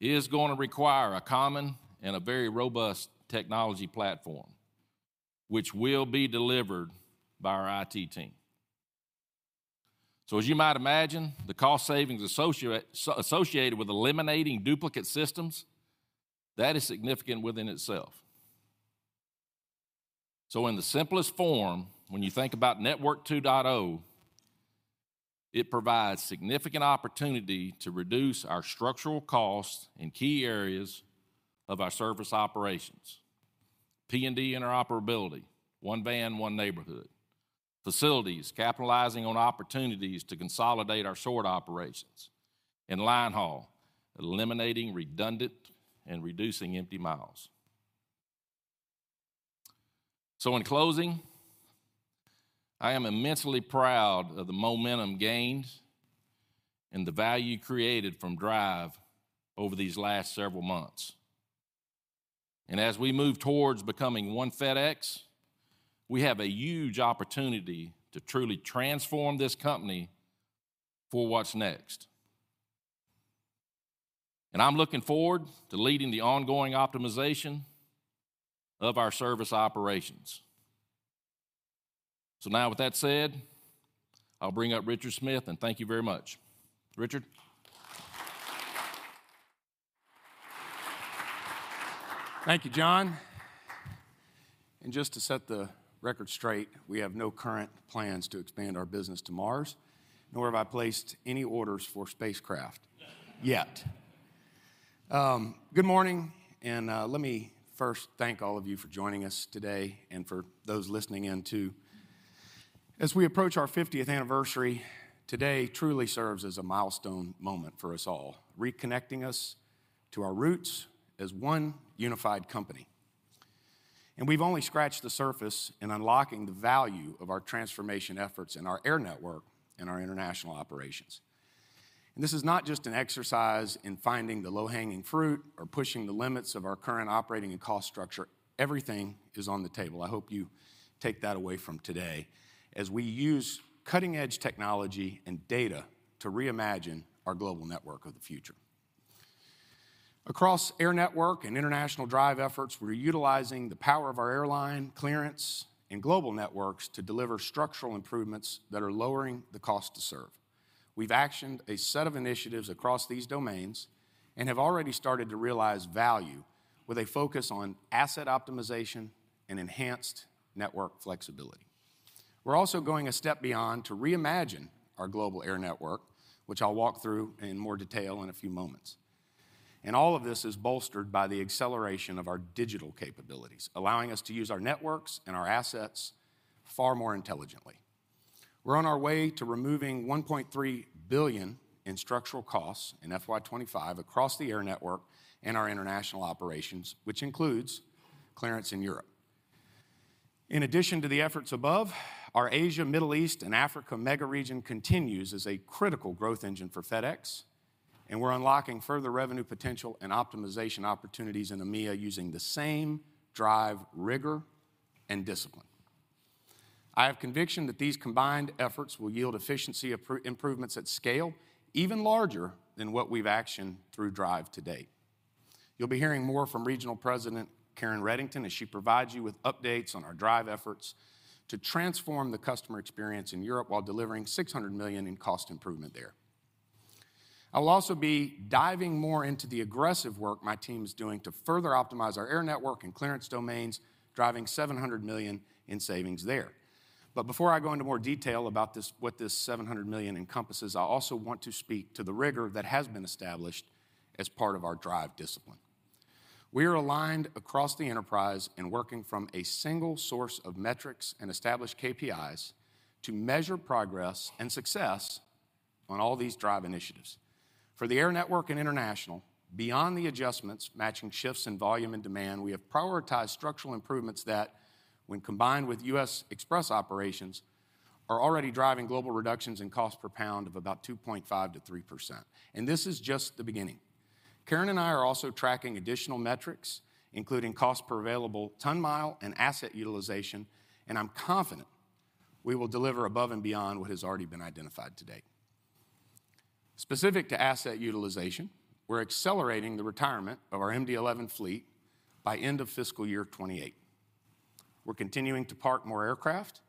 is gonna require a common and a very robust technology platform, which will be delivered by our IT team. As you might imagine, the cost savings associated with eliminating duplicate systems, that is significant within itself. In the simplest form, when you think about Network 2.0, it provides significant opportunity to reduce our structural costs in key areas of our service operations. P&D interoperability, one van, one neighborhood. Facilities, capitalizing on opportunities to consolidate our sort operations. Line haul, eliminating redundant and reducing empty miles. In closing, I am immensely proud of the momentum gained and the value created from DRIVE over these last several months. As we move towards becoming One FedEx, we have a huge opportunity to truly transform this company for what's next. I'm looking forward to leading the ongoing optimization of our service operations. Now with that said, I'll bring up Richard Smith, and thank you very much. Richard. Thank you, John. Just to set the record straight, we have no current plans to expand our business to Mars, nor have I placed any orders for spacecraft yet. Good morning, let me first thank all of you for joining us today and for those listening in too. As we approach our fiftieth anniversary, today truly serves as a milestone moment for us all, reconnecting us to our roots as one unified company. We've only scratched the surface in unlocking the value of our transformation efforts in our air network and our international operations. This is not just an exercise in finding the low-hanging fruit or pushing the limits of our current operating and cost structure. Everything is on the table, I hope you take that away from today, as we use cutting-edge technology and data to reimagine our global network of the future. Across air network and international DRIVE efforts, we're utilizing the power of our airline clearance and global networks to deliver structural improvements that are lowering the cost to serve. We've actioned a set of initiatives across these domains and have already started to realize value with a focus on asset optimization and enhanced network flexibility. We're also going a step beyond to reimagine our global air network, which I'll walk through in more detail in a few moments. All of this is bolstered by the acceleration of our digital capabilities, allowing us to use our networks and our assets far more intelligently. We're on our way to removing $1.3 billion in structural FY 2025 across the air network and our international operations, which includes clearance in Europe. In addition to the efforts above, our Asia, Middle East, and Africa mega region continues as a critical growth engine for FedEx, and we're unlocking further revenue potential and optimization opportunities in EMEA using the same DRIVE rigor and discipline. I have conviction that these combined efforts will yield efficiency improvements at scale even larger than what we've actioned through DRIVE to date. You'll be hearing more from Regional President Karen Reddington as she provides you with updates on our DRIVE efforts to transform the customer experience in Europe while delivering $600 million in cost improvement there. I'll also be diving more into the aggressive work my team is doing to further optimize our Air network and clearance domains, driving $700 million in savings there. Before I go into more detail about what this $700 million encompasses, I also want to speak to the rigor that has been established as part of our DRIVE discipline. We are aligned across the enterprise and working from a single source of metrics and established KPIs to measure progress and success on all these DRIVE initiatives. For the Air network and international, beyond the adjustments matching shifts in volume and demand, we have prioritized structural improvements that, when combined with U.S. Express operations, are already driving global reductions in cost per pound of about 2.5%-3%, and this is just the beginning. Karen and I are also tracking additional metrics, including cost per available ton mile and asset utilization, and I'm confident we will deliver above and beyond what has already been identified to date. Specific to asset utilization, we're accelerating the retirement of our MD-11 fleet by end of fiscal year 2028. We're continuing to park more aircraft,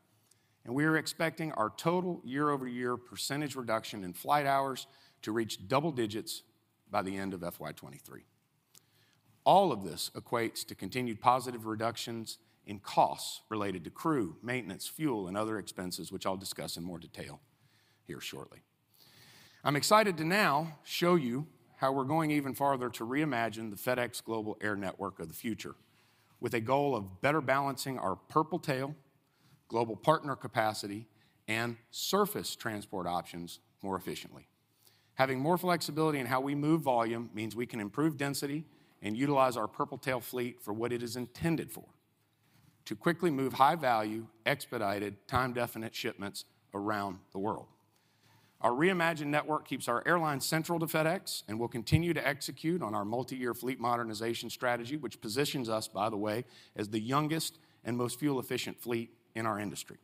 and we are expecting our total year-over-year percentage reduction in flight hours to reach double digits by the end of FY 2023. All of this equates to continued positive reductions in costs related to crew, maintenance, fuel, and other expenses, which I'll discuss in more detail here shortly. I'm excited to now show you how we're going even farther to reimagine the FedEx Global Air Network of the future with a goal of better balancing our Purple Tail, global partner capacity, and surface transport options more efficiently. Having more flexibility in how we move volume means we can improve density and utilize our Purple Tail fleet for what it is intended for, to quickly move high-value, expedited, time-definite shipments around the world. Our reimagined network keeps our airline central to FedEx and will continue to execute on our multiyear fleet modernization strategy, which positions us, by the way, as the youngest and most fuel-efficient fleet in our industry.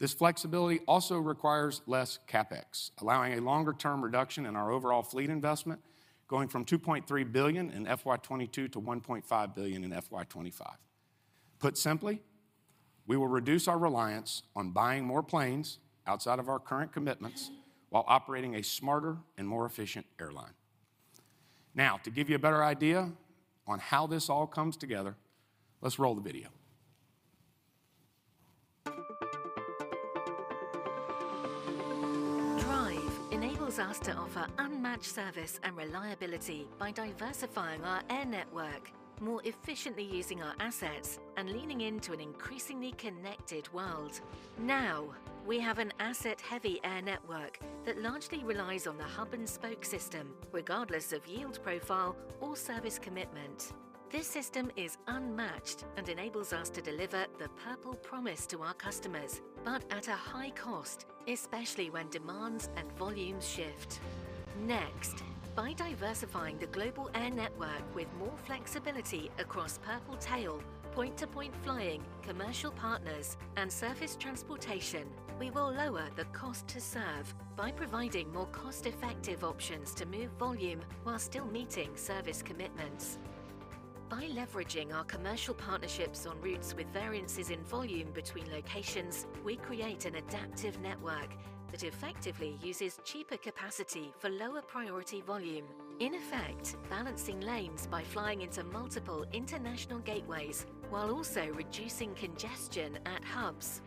This flexibility also requires less CapEx, allowing a longer-term reduction in our overall fleet investment, going from $2.3 billion in FY 2022 to $1.5 billion in FY 2025. Put simply, we will reduce our reliance on buying more planes outside of our current commitments while operating a smarter and more efficient airline. To give you a better idea on how this all comes together, let's roll the video. DRIVE enables us to offer unmatched service and reliability by diversifying our air network, more efficiently using our assets, and leaning into an increasingly connected world. Now we have an asset-heavy air network that largely relies on the hub-and-spoke system, regardless of yield profile or service commitment. This system is unmatched and enables us to deliver the Purple Promise to our customers, but at a high cost, especially when demands and volumes shift. Next, by diversifying the global air network with more flexibility across Purple Tail, point-to-point flying, commercial partners, and surface transportation, we will lower the cost to serve by providing more cost-effective options to move volume while still meeting service commitments. By leveraging our commercial partnerships on routes with variances in volume between locations, we create an adaptive network that effectively uses cheaper capacity for lower priority volume, in effect balancing lanes by flying into multiple international gateways while also reducing congestion at hubs.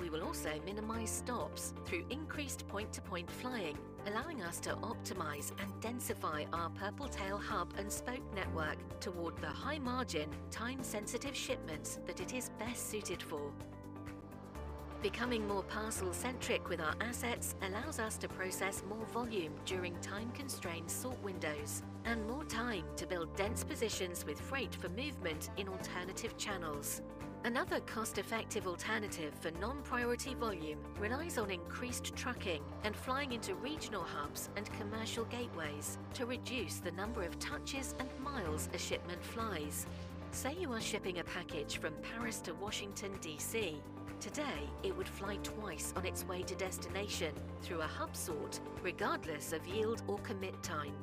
We will also minimize stops through increased point-to-point flying, allowing us to optimize and densify our Purple Tail hub-and-spoke network toward the high-margin, time-sensitive shipments that it is best suited for. Becoming more parcel-centric with our assets allows us to process more volume during time-constrained sort windows and more time to build dense positions with freight for movement in alternative channels. Another cost-effective alternative for non-priority volume relies on increased trucking and flying into regional hubs and commercial gateways to reduce the number of touches and miles a shipment flies. Say you are shipping a package from Paris to Washington, D.C. Today, it would fly twice on its way to destination through a hub sort, regardless of yield or commit time.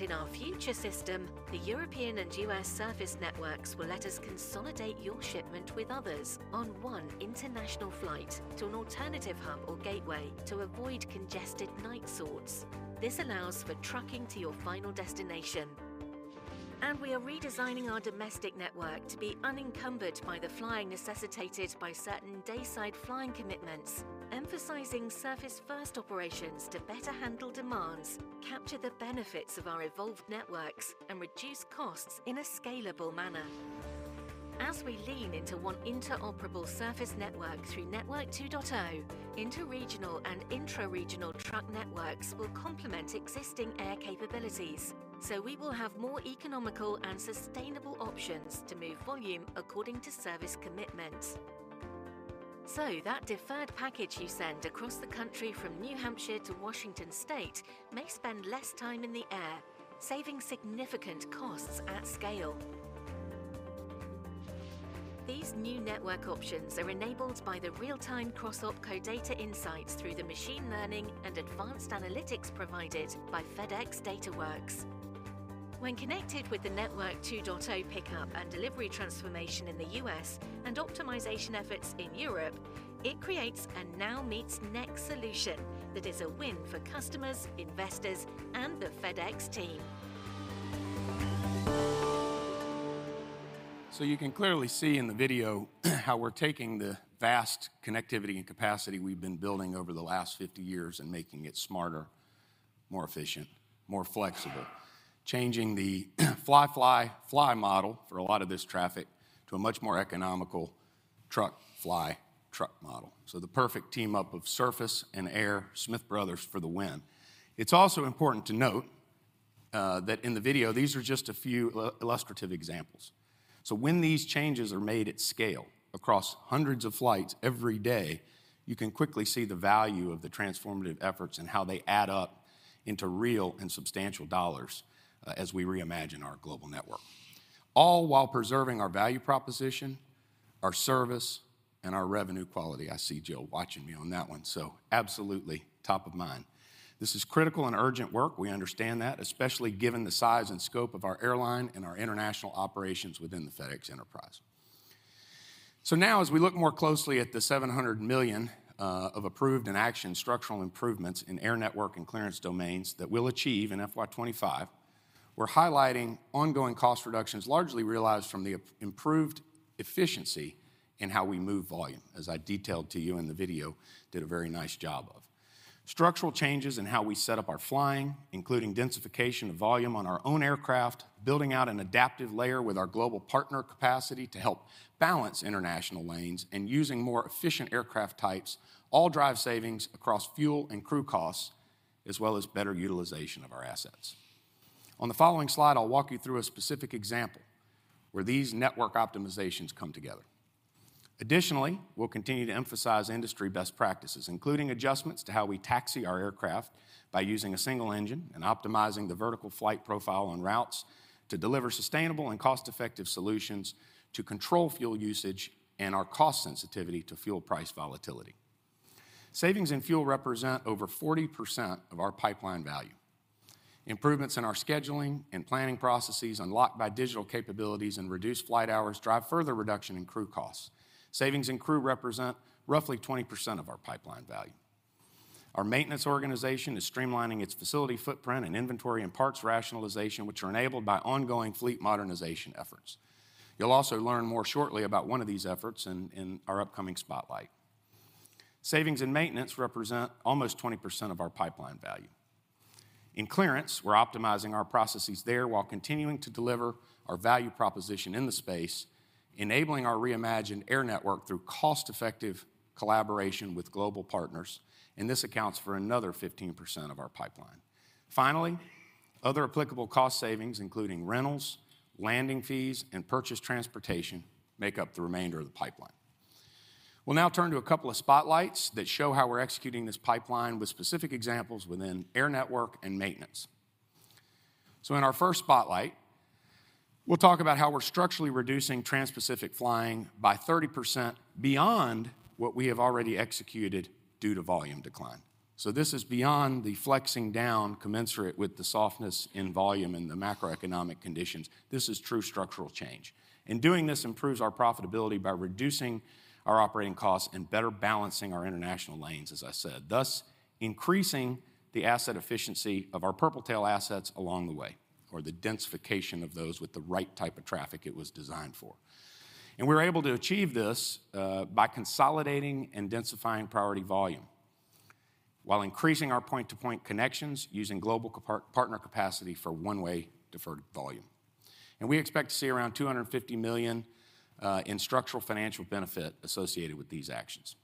In our future system, the European and U.S. surface networks will let us consolidate your shipment with others on one international flight to an alternative hub or gateway to avoid congested night sorts. This allows for trucking to your final destination. And we are redesigning our domestic network to be unencumbered by the flying necessitated by certain dayside flying commitments, emphasizing surface-first operations to better handle demands, capture the benefits of our evolved networks, and reduce costs in a scalable manner. As we lean into one interoperable surface network through Network 2.0, interregional and intraregional truck networks will complement existing air capabilities, so we will have more economical and sustainable options to move volume according to service commitment. That deferred package you send across the country from New Hampshire to Washington State may spend less time in the air, saving significant costs at scale. These new network options are enabled by the real-time cross-OPCO data insights through the machine learning and advanced analytics provided by FedEx Dataworks. When connected with the pickup and delivery transformation in the U.S. and optimization efforts in Europe, it creates a now meets next solution that is a win for customers, investors, and the FedEx team. You can clearly see in the video how we're taking the vast connectivity and capacity we've been building over the last 50 years and making it smarter, more efficient, more flexible. Changing the fly, fly model for a lot of this traffic to a much more economical truck, fly, truck model. The perfect team-up of surface and air. Smith brothers for the win. It's also important to note that in the video, these are just a few illustrative examples. When these changes are made at scale across hundreds of flights every day, you can quickly see the value of the transformative efforts and how they add up into real and substantial dollars as we reimagine our global network. All while preserving our value proposition, our service, and our revenue quality. I see Jill watching me on that one, so absolutely top of mind. This is critical and urgent work. We understand that, especially given the size and scope of our airline and our international operations within the FedEx Enterprise. Now as we look more closely at the $700 million of approved and action structural improvements in air network and clearance domains that we'll achieve in FY 2025, we're highlighting ongoing cost reductions largely realized from the improved efficiency in how we move volume, as I detailed to you and the video did a very nice job of. Structural changes in how we set up our flying, including densification of volume on our own aircraft, building out an adaptive layer with our global partner capacity to help balance international lanes, and using more efficient aircraft types all drive savings across fuel and crew costs, as well as better utilization of our assets. On the following slide, I'll walk you through a specific example where these network optimizations come together. We'll continue to emphasize industry best practices, including adjustments to how we taxi our aircraft by using a single engine and optimizing the vertical flight profile on routes to deliver sustainable and cost-effective solutions to control fuel usage and our cost sensitivity to fuel price volatility. Savings in fuel represent over 40% of our pipeline value. Improvements in our scheduling and planning processes unlocked by digital capabilities and reduced flight hours drive further reduction in crew costs. Savings in crew represent roughly 20% of our pipeline value. Our maintenance organization is streamlining its facility footprint and inventory and parts rationalization, which are enabled by ongoing fleet modernization efforts. You'll also learn more shortly about one of these efforts in our upcoming spotlight. Savings in maintenance represent almost 20% of our pipeline value. In clearance, we're optimizing our processes there while continuing to deliver our value proposition in the space, enabling our reimagined air network through cost-effective collaboration with global partners, this accounts for another 15% of our pipeline. Finally, other applicable cost savings, including rentals, landing fees, and purchase transportation, make up the remainder of the pipeline. We'll now turn to a couple of spotlights that show how we're executing this pipeline with specific examples within air network and maintenance. In our first spotlight, we'll talk about how we're structurally reducing transpacific flying by 30% beyond what we have already executed due to volume decline. This is beyond the flexing down commensurate with the softness in volume and the macroeconomic conditions. This is true structural change. Doing this improves our profitability by reducing our operating costs and better balancing our international lanes, as I said, thus increasing the asset efficiency of our Purple Tail assets along the way, or the densification of those with the right type of traffic it was designed for. We're able to achieve this by consolidating and densifying priority volume while increasing our point-to-point connections using global partner capacity for one-way deferred volume. We expect to see around $250 million in structural financial benefit associated with these actions.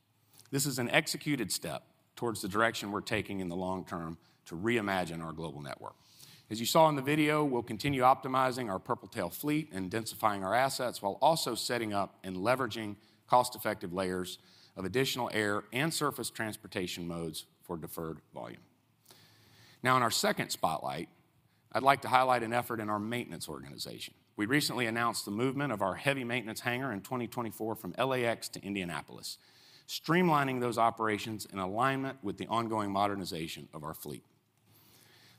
This is an executed step towards the direction we're taking in the long term to reimagine our global network. As you saw in the video, we'll continue optimizing our Purple Tail fleet and densifying our assets while also setting up and leveraging cost-effective layers of additional air and surface transportation modes for deferred volume. Now in our second spotlight, I'd like to highlight an effort in our maintenance organization. We recently announced the movement of our heavy maintenance hangar in 2024 from LAX to Indianapolis, streamlining those operations in alignment with the ongoing modernization of our fleet.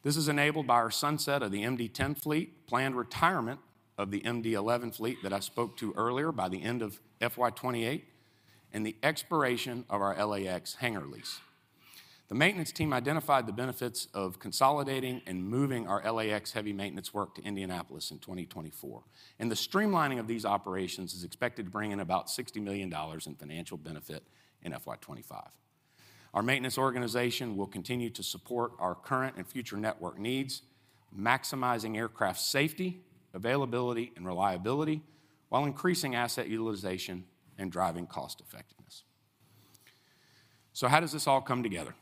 This is enabled by our sunset of the MD-10 fleet, planned retirement of the MD-11 fleet that I spoke to earlier by the end of FY 2028. The expiration of our LAX hangar lease. The maintenance team identified the benefits of consolidating and moving our LAX heavy maintenance work to Indianapolis in 2024. The streamlining of these operations is expected to bring in about $60 million in financial FY 2025. our maintenance organization will continue to support our current and future network needs, maximizing aircraft safety, availability, and reliability, while increasing asset utilization and driving cost effectiveness. How does this all come together?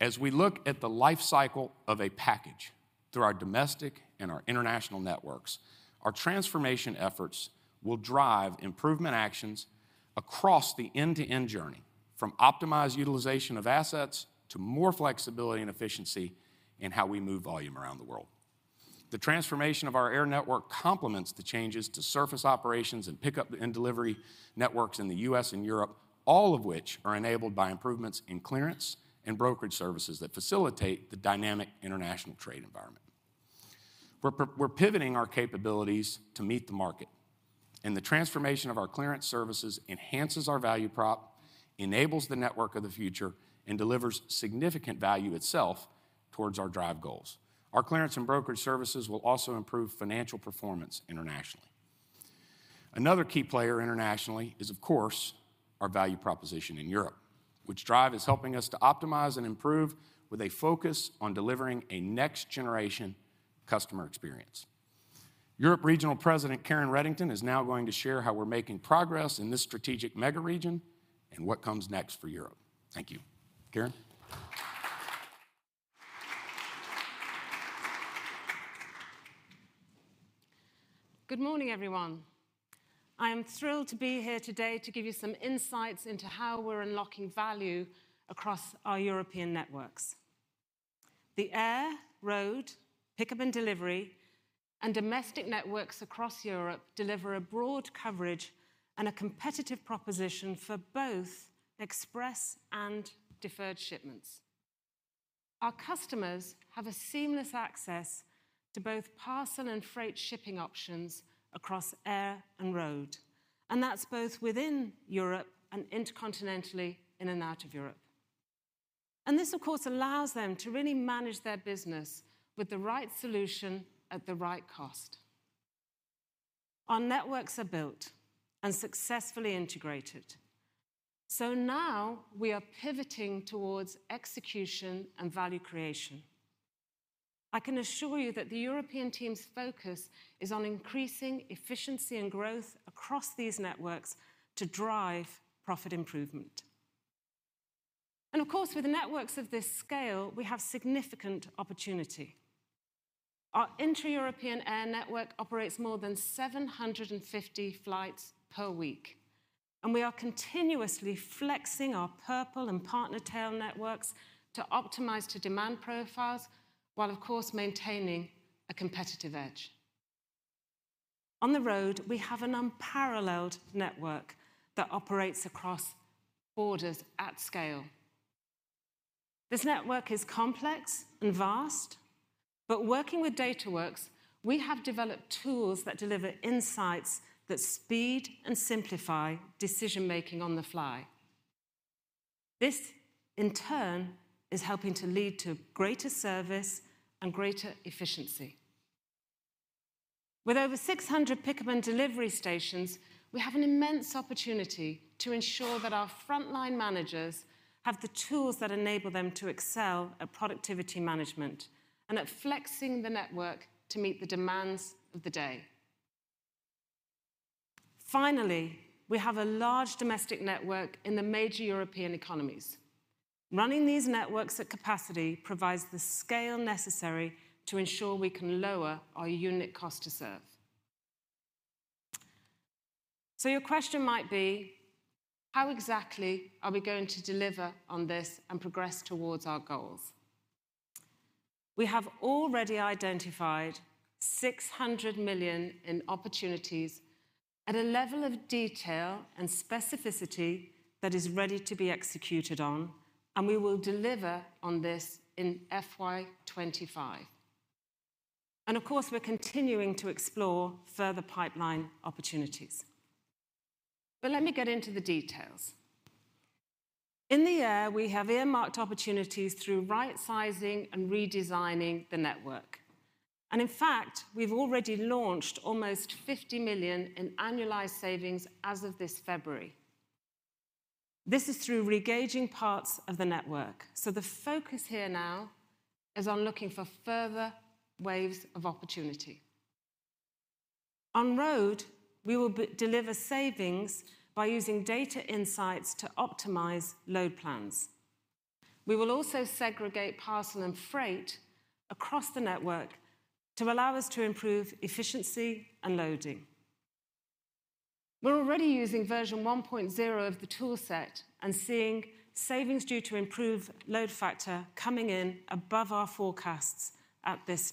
As we look at the life cycle of a package through our domestic and our international networks, our transformation efforts will drive improvement actions across the end-to-end journey from optimized utilization of assets to more flexibility and efficiency in how we move volume around the world. The transformation of our air network complements the changes to surface pickup and delivery networks in the U.S. and Europe, all of which are enabled by improvements in clearance and brokerage services that facilitate the dynamic international trade environment. We're pivoting our capabilities to meet the market, the transformation of our clearance services enhances our value prop, enables the network of the future, and delivers significant value itself towards our DRIVE goals. Our clearance and brokerage services will also improve financial performance internationally. Another key player internationally is, of course, our value proposition in Europe, which DRIVE is helping us to optimize and improve with a focus on delivering a next-generation customer experience. Europe Regional President Karen Reddington is now going to share how we're making progress in this strategic mega region and what comes next for Europe. Thank you. Karen? Good morning, everyone. I am thrilled to be here today to give you some insights into how we're unlocking value across our European networks. The pickup and delivery, and domestic networks across Europe deliver a broad coverage and a competitive proposition for both express and deferred shipments. Our customers have a seamless access to both parcel and freight shipping options across air and road, and that's both within Europe and intercontinentally in and out of Europe. This, of course, allows them to really manage their business with the right solution at the right cost. Our networks are built and successfully integrated, so now we are pivoting towards execution and value creation. I can assure you that the European team's focus is on increasing efficiency and growth across these networks to drive profit improvement. Of course, with the networks of this scale, we have significant opportunity. Our intra-European air network operates more than 750 flights per week. We are continuously flexing our Purple Tail and partner tail networks to optimize to demand profiles, while of course maintaining a competitive edge. On the road, we have an unparalleled network that operates across borders at scale. This network is complex and vast. Working with Dataworks, we have developed tools that deliver insights that speed and simplify decision-making on the fly. This, in turn, is helping to lead to greater service and greater efficiency. With pickup and delivery stations, we have an immense opportunity to ensure that our frontline managers have the tools that enable them to excel at productivity management and at flexing the network to meet the demands of the day. We have a large domestic network in the major European economies. Running these networks at capacity provides the scale necessary to ensure we can lower our unit cost to serve. Your question might be: how exactly are we going to deliver on this and progress towards our goals? We have already identified $600 million in opportunities at a level of detail and specificity that is ready to be executed on, and we will deliver on FY 2025. of course, we're continuing to explore further pipeline opportunities. Let me get into the details. In the air, we have earmarked opportunities through right-sizing and redesigning the network. In fact, we've already launched almost $50 million in annualized savings as of this February. This is through re-gauging parts of the network. The focus here now is on looking for further waves of opportunity. On road, we will deliver savings by using data insights to optimize load plans. We will also segregate parcel and freight across the network to allow us to improve efficiency and loading. We're already using version 1.0 of the tool set and seeing savings due to improved load factor coming in above our forecasts at this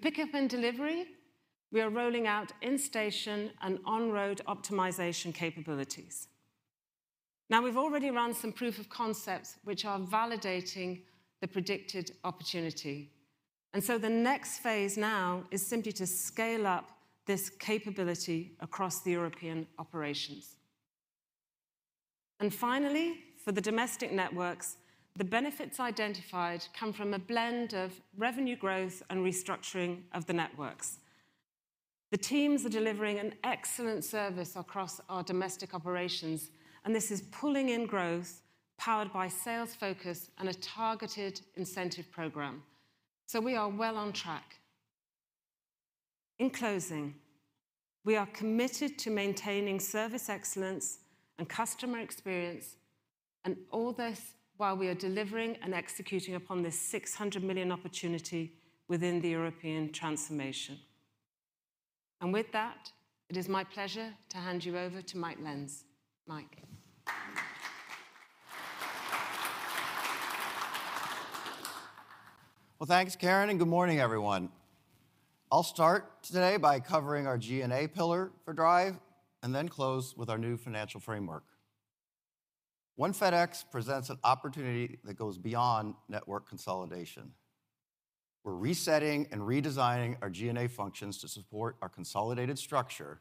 pickup and delivery, we are rolling out in-station and on-road optimization capabilities. Now we've already run some proof of concepts which are validating the predicted opportunity. The next phase now is simply to scale up this capability across the European operations. Finally, for the domestic networks, the benefits identified come from a blend of revenue growth and restructuring of the networks. The teams are delivering an excellent service across our domestic operations, and this is pulling in growth powered by sales focus and a targeted incentive program. We are well on track. In closing, we are committed to maintaining service excellence and customer experience and all this while we are delivering and executing upon this $600 million opportunity within the European transformation. With that, it is my pleasure to hand you over to Mike Lenz. Mike. Thanks, Karen, and good morning, everyone. I'll start today by covering our G&A pillar for DRIVE and then close with our new financial framework. One FedEx presents an opportunity that goes beyond network consolidation. We're resetting and redesigning our G&A functions to support our consolidated structure.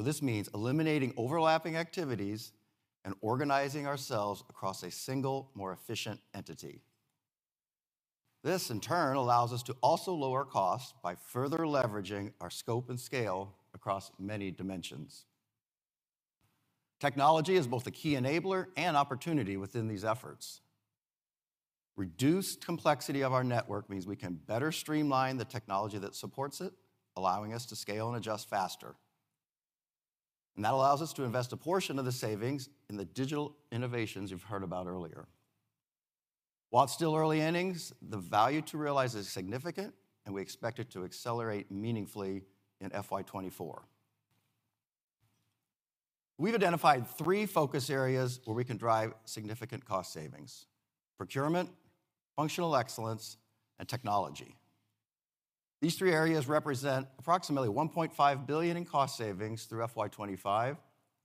This means eliminating overlapping activities and organizing ourselves across a single, more efficient entity. This, in turn, allows us to also lower costs by further leveraging our scope and scale across many dimensions. Technology is both a key enabler and opportunity within these efforts. Reduced complexity of our network means we can better streamline the technology that supports it, allowing us to scale and adjust faster. That allows us to invest a portion of the savings in the digital innovations you've heard about earlier. While it's still early innings, the value to realize is significant, and we expect it to accelerate meaningfully in FY 2024. We've identified three focus areas where we can drive significant cost savings: procurement, functional excellence, and technology. These three areas represent approximately $1.5 billion in cost savings through FY 2025,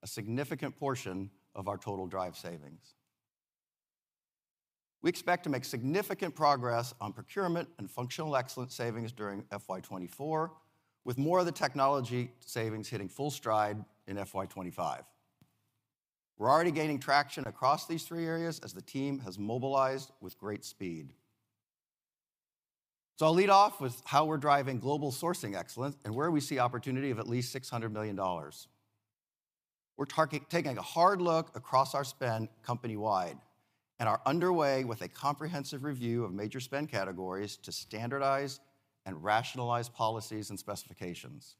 a significant portion of our total DRIVE savings. We expect to make significant progress on procurement and functional excellence savings during FY 2024, with more of the technology savings hitting full stride in FY 2025. We're already gaining traction across these three areas as the team has mobilized with great speed. I'll lead off with how we're driving global sourcing excellence and where we see opportunity of at least $600 million. We're taking a hard look across our spend company-wide and are underway with a comprehensive review of major spend categories to standardize and rationalize policies and specifications.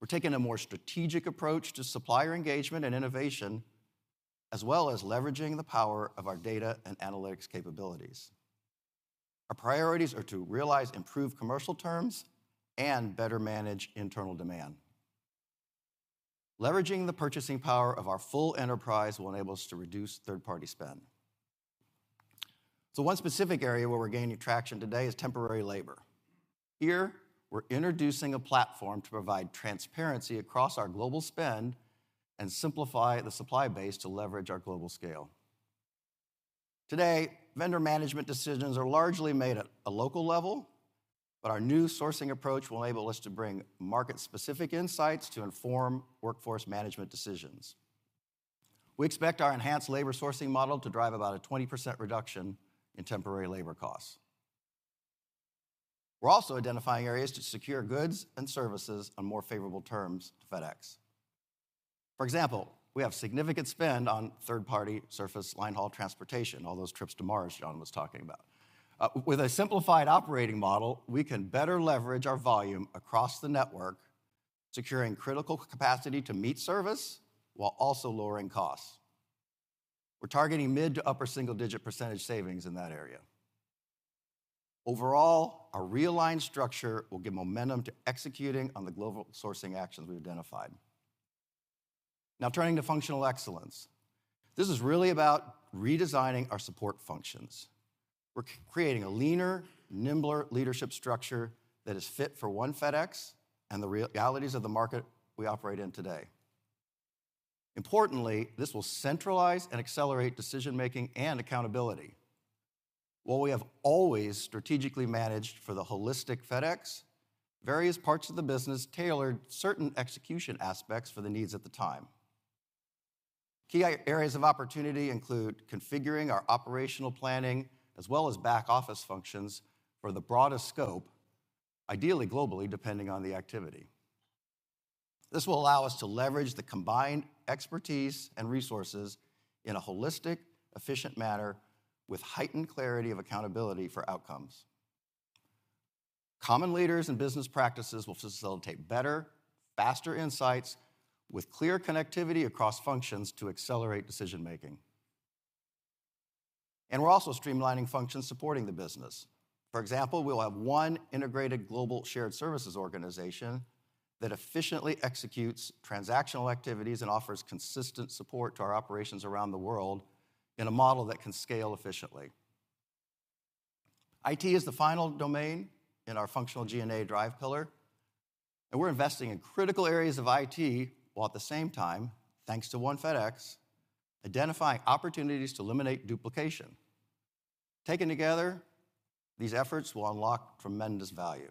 We're taking a more strategic approach to supplier engagement and innovation, as well as leveraging the power of our data and analytics capabilities. Our priorities are to realize improved commercial terms and better manage internal demand. Leveraging the purchasing power of our full enterprise will enable us to reduce third-party spend. One specific area where we're gaining traction today is temporary labor. Here, we're introducing a platform to provide transparency across our global spend and simplify the supply base to leverage our global scale. Today, vendor management decisions are largely made at a local level, but our new sourcing approach will enable us to bring market-specific insights to inform workforce management decisions. We expect our enhanced labor sourcing model to drive about a 20% reduction in temporary labor costs. We're also identifying areas to secure goods and services on more favorable terms to FedEx. For example, we have significant spend on third-party surface line haul transportation, all those trips to Mars John was talking about. With a simplified operating model, we can better leverage our volume across the network, securing critical capacity to meet service while also lowering costs. We're targeting mid to upper single-digit percentage savings in that area. Our realigned structure will give momentum to executing on the global sourcing actions we've identified. Turning to functional excellence. This is really about redesigning our support functions. We're creating a leaner, nimbler leadership structure that is fit for One FedEx and the realities of the market we operate in today. Importantly, this will centralize and accelerate decision-making and accountability. While we have always strategically managed for the holistic FedEx, various parts of the business tailored certain execution aspects for the needs at the time. Key areas of opportunity include configuring our operational planning as well as back-office functions for the broadest scope, ideally globally, depending on the activity. This will allow us to leverage the combined expertise and resources in a holistic, efficient manner with heightened clarity of accountability for outcomes. Common leaders and business practices will facilitate better, faster insights with clear connectivity across functions to accelerate decision-making. We're also streamlining functions supporting the business. For example, we'll have one integrated global shared services organization that efficiently executes transactional activities and offers consistent support to our operations around the world in a model that can scale efficiently. IT is the final domain in our functional G&A DRIVE pillar, and we're investing in critical areas of IT, while at the same time, thanks to One FedEx, identifying opportunities to eliminate duplication. Taken together, these efforts will unlock tremendous value.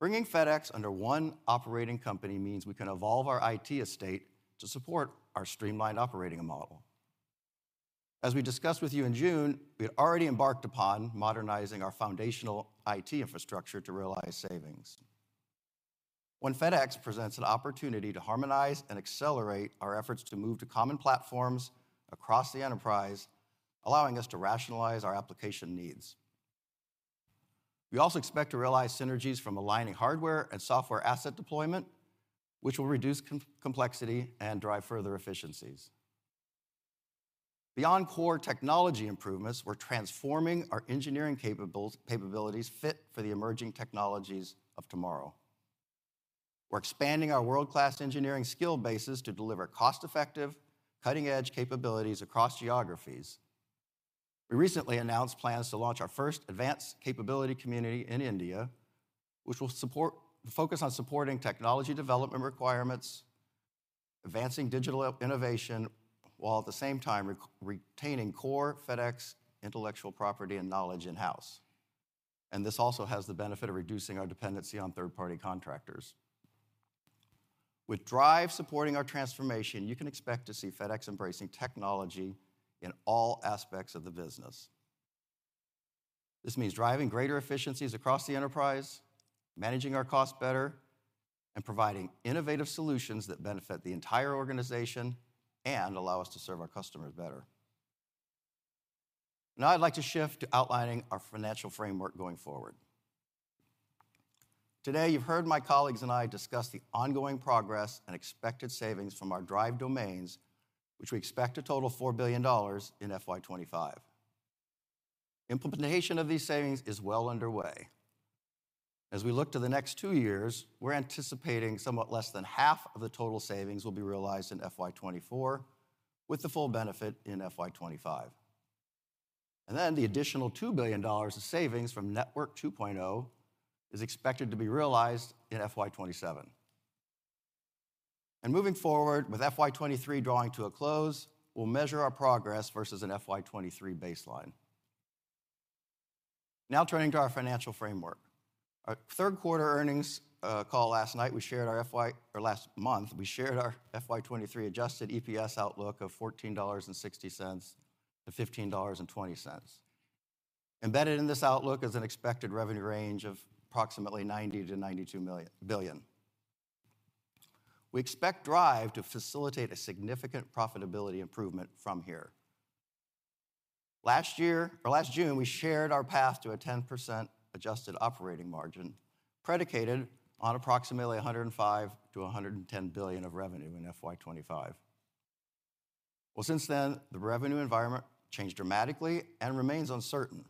Bringing FedEx under one operating company means we can evolve our IT estate to support our streamlined operating model. As we discussed with you in June, we had already embarked upon modernizing our foundational IT infrastructure to realize savings. One FedEx presents an opportunity to harmonize and accelerate our efforts to move to common platforms across the enterprise, allowing us to rationalize our application needs. We also expect to realize synergies from aligning hardware and software asset deployment, which will reduce complexity and drive further efficiencies. Beyond core technology improvements, we're transforming our engineering capabilities fit for the emerging technologies of tomorrow. We're expanding our world-class engineering skill bases to deliver cost-effective, cutting-edge capabilities across geographies. We recently announced plans to launch our first advanced capability community in India, which will focus on supporting technology development requirements, advancing digital innovation, while at the same time retaining core FedEx intellectual property and knowledge in-house. This also has the benefit of reducing our dependency on third-party contractors. With DRIVE supporting our transformation, you can expect to see FedEx embracing technology in all aspects of the business. This means driving greater efficiencies across the enterprise, managing our costs better, and providing innovative solutions that benefit the entire organization and allow us to serve our customers better. I'd like to shift to outlining our financial framework going forward. Today, you've heard my colleagues and I discuss the ongoing progress and expected savings from our DRIVE domains, which we expect to total $4 FY 2025. implementation of these savings is well underway. As we look to the next two years, we're anticipating somewhat less than half of the total savings will be realized in FY 2024, with the full FY 2025. the additional $2 billion of savings from Network 2.0 is expected to be realized in FY 2027. Moving forward with FY 2023 drawing to a close, we'll measure our progress versus an FY 2023 baseline. Now turning to our financial framework. Our third quarter earnings call last night, last month, we shared our FY 2023 adjusted EPS outlook of $14.60-$15.20. Embedded in this outlook is an expected revenue range of approximately $90 billion-$92 billion. We expect DRIVE to facilitate a significant profitability improvement from here. Last June, we shared our path to a 10% adjusted operating margin predicated on approximately $105 billion-$110 billion of FY 2025. well, since then, the revenue environment changed dramatically and remains uncertain.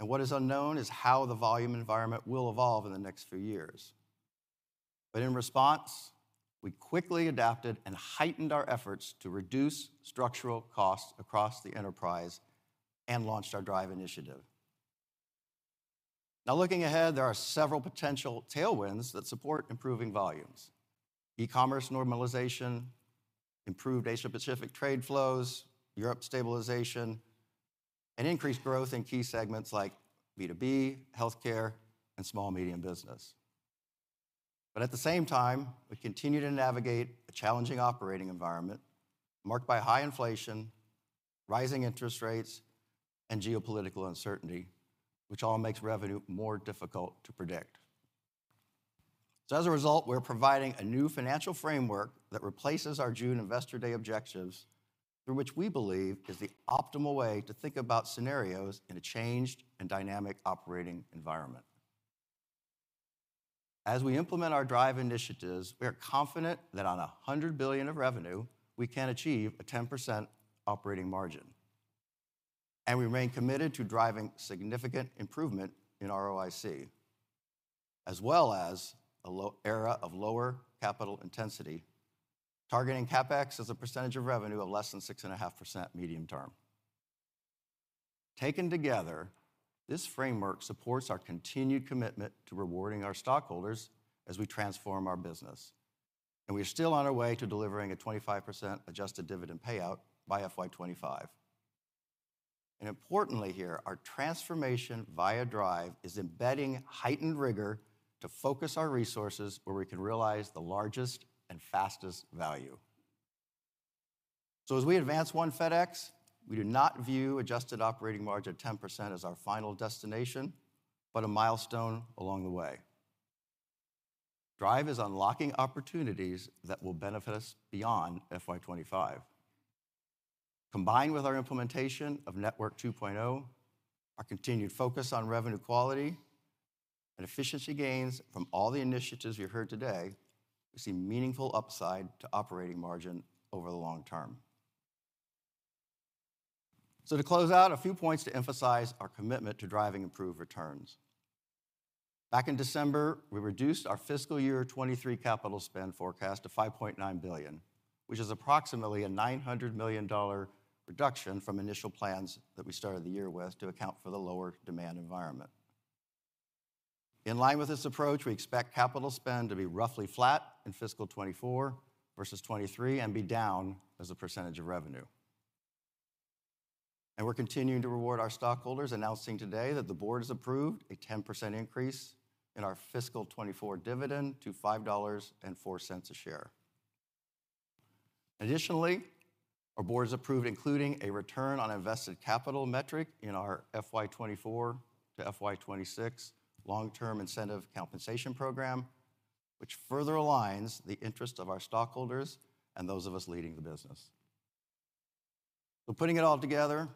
What is unknown is how the volume environment will evolve in the next few years. In response, we quickly adapted and heightened our efforts to reduce structural costs across the enterprise and launched our DRIVE initiative. Looking ahead, there are several potential tailwinds that support improving volumes: e-commerce normalization, improved Asia-Pacific trade flows, Europe stabilization, and increased growth in key segments like B2B, healthcare, and small, medium business. At the same time, we continue to navigate a challenging operating environment marked by high inflation, rising interest rates, and geopolitical uncertainty, which all makes revenue more difficult to predict. As a result, we're providing a new financial framework that replaces our June Investor Day objectives through which we believe is the optimal way to think about scenarios in a changed and dynamic operating environment. As we implement our DRIVE initiatives, we are confident that on $100 billion of revenue, we can achieve a 10% operating margin, and we remain committed to driving significant improvement in ROIC, as well as an era of lower capital intensity, targeting CapEx as a percentage of revenue of less than 6.5% medium term. Taken together, this framework supports our continued commitment to rewarding our stockholders as we transform our business, and we are still on our way to delivering a 25% adjusted dividend payout by FY 2025. Importantly here, our transformation via DRIVE is embedding heightened rigor to focus our resources where we can realize the largest and fastest value. As we advance One FedEx, we do not view adjusted operating margin at 10% as our final destination, but a milestone along the way. DRIVE is unlocking opportunities that will benefit us beyond FY 2025. Combined with our implementation of Network 2.0, our continued focus on revenue quality and efficiency gains from all the initiatives you heard today, we see meaningful upside to operating margin over the long term. To close out, a few points to emphasize our commitment to driving improved returns. Back in December, we reduced our fiscal year 2023 capital spend forecast to $5.9 billion, which is approximately a $900 million reduction from initial plans that we started the year with to account for the lower demand environment. In line with this approach, we expect capital spend to be roughly flat in fiscal 2024 versus 2023 and be down as a percentage of revenue. We're continuing to reward our stockholders, announcing today that the board has approved a 10% increase in our fiscal 2024 dividend to $5.04 a share. Additionally, our board has approved including a return on invested capital metric in our FY 2024-FY 2026 long-term incentive compensation program, which further aligns the interest of our stockholders and those of us leading the business. Putting it all together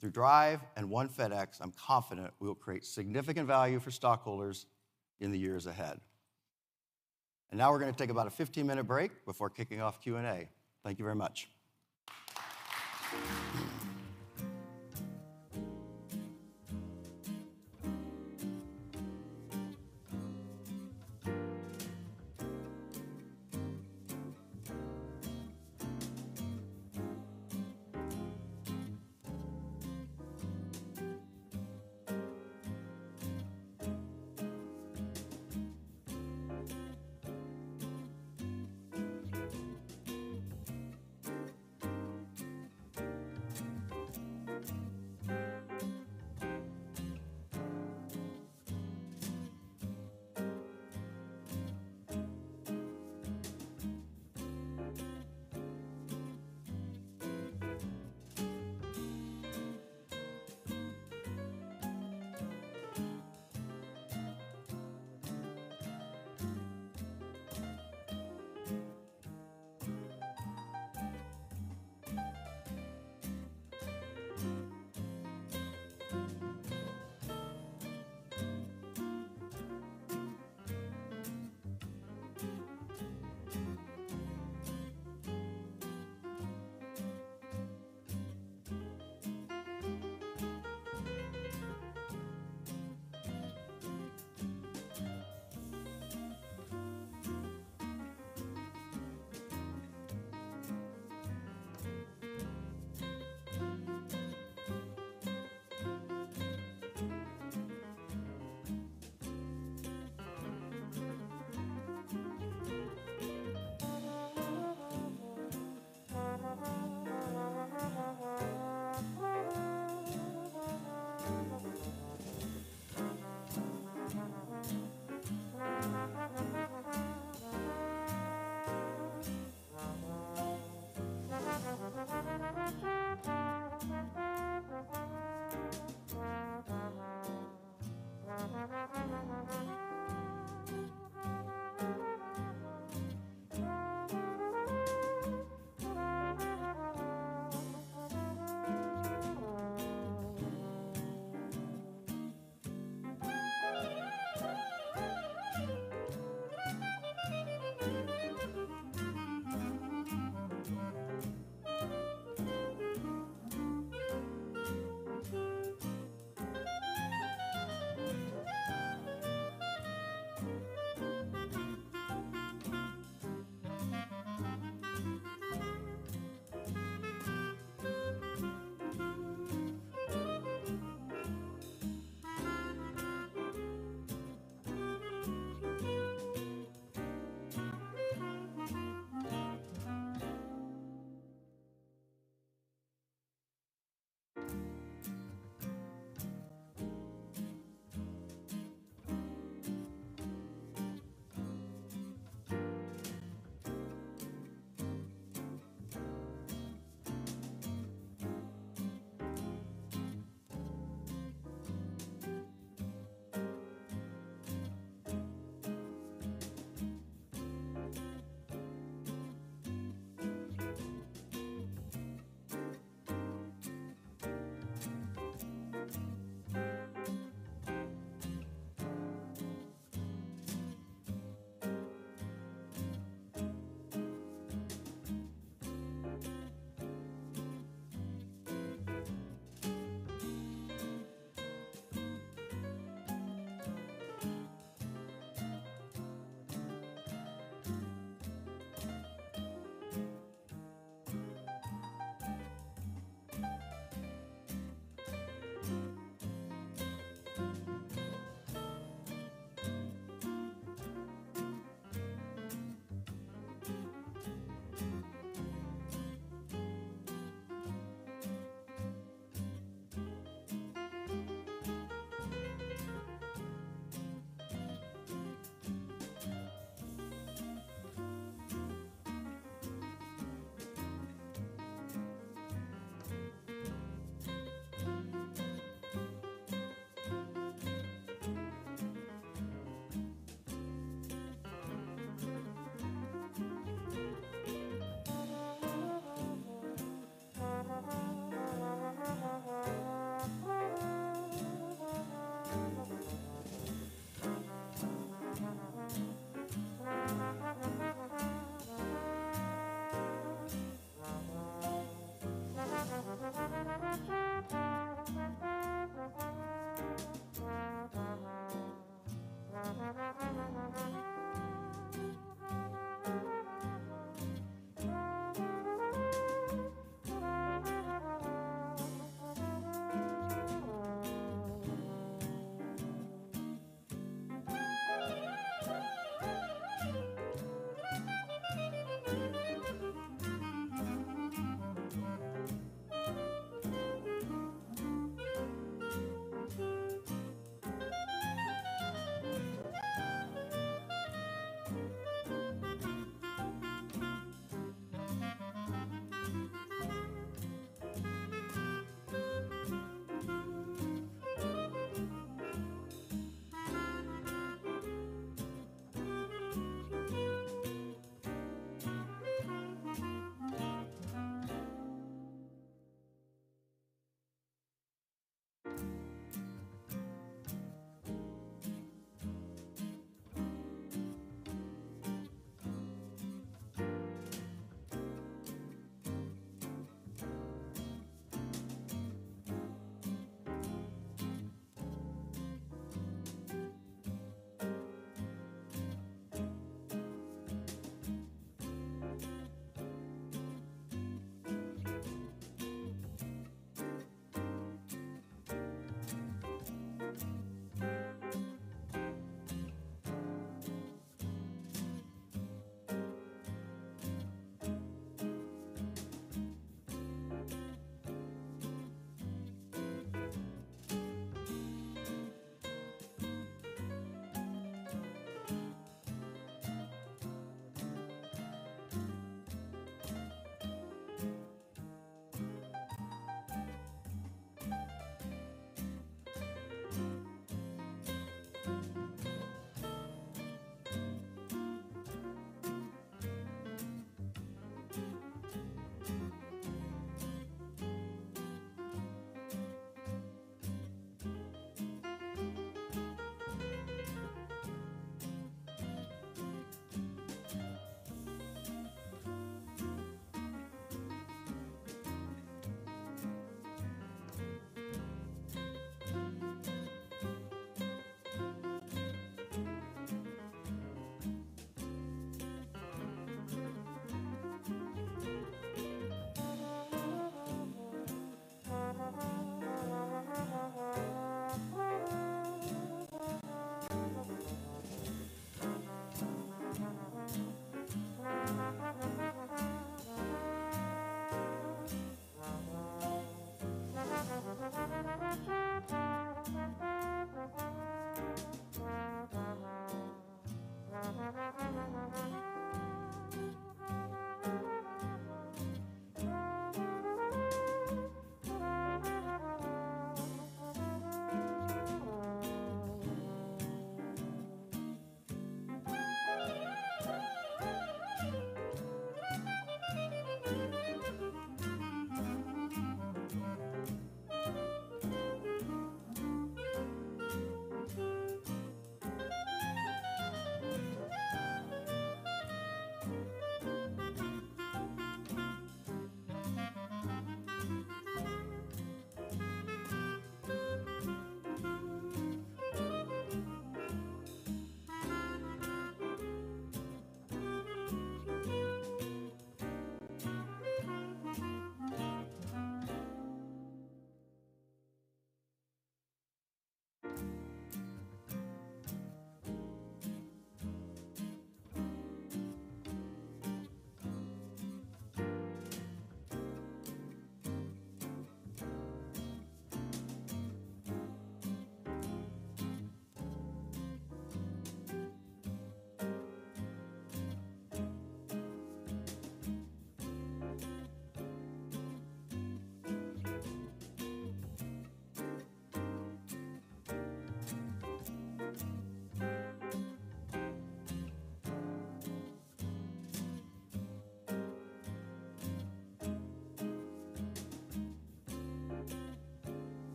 through DRIVE and One FedEx, I'm confident we'll create significant value for stockholders in the years ahead. Now we're gonna take about a 15-minute break before kicking off Q&A. Thank you very much.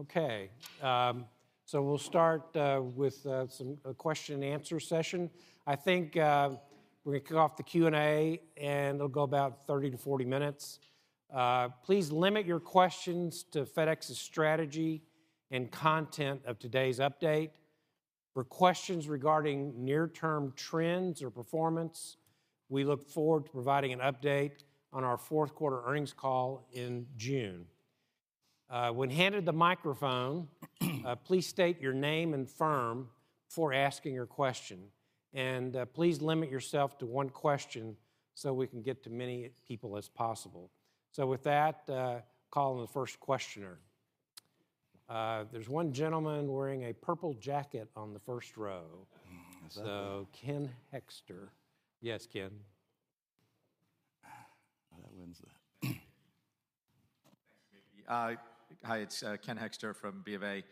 Okay. We'll start with a question-and-answer session. I think, we're gonna kick off the Q&A, and it'll go about 30-40 minutes. Please limit your questions to FedEx's strategy and content of today's update. For questions regarding near-term trends or performance, we look forward to providing an update on our fourth quarter earnings call in June. When handed the microphone, please state your name and firm before asking your question. Please limit yourself to one question so we can get to many people as possible. With that, calling on the first questioner. There's one gentleman wearing a purple jacket on the first row. That's me. Ken Hoexter. Yes, Ken. Oh, that winds that. Thanks, Mickey. Hi, it's Ken Hoexter from BofA.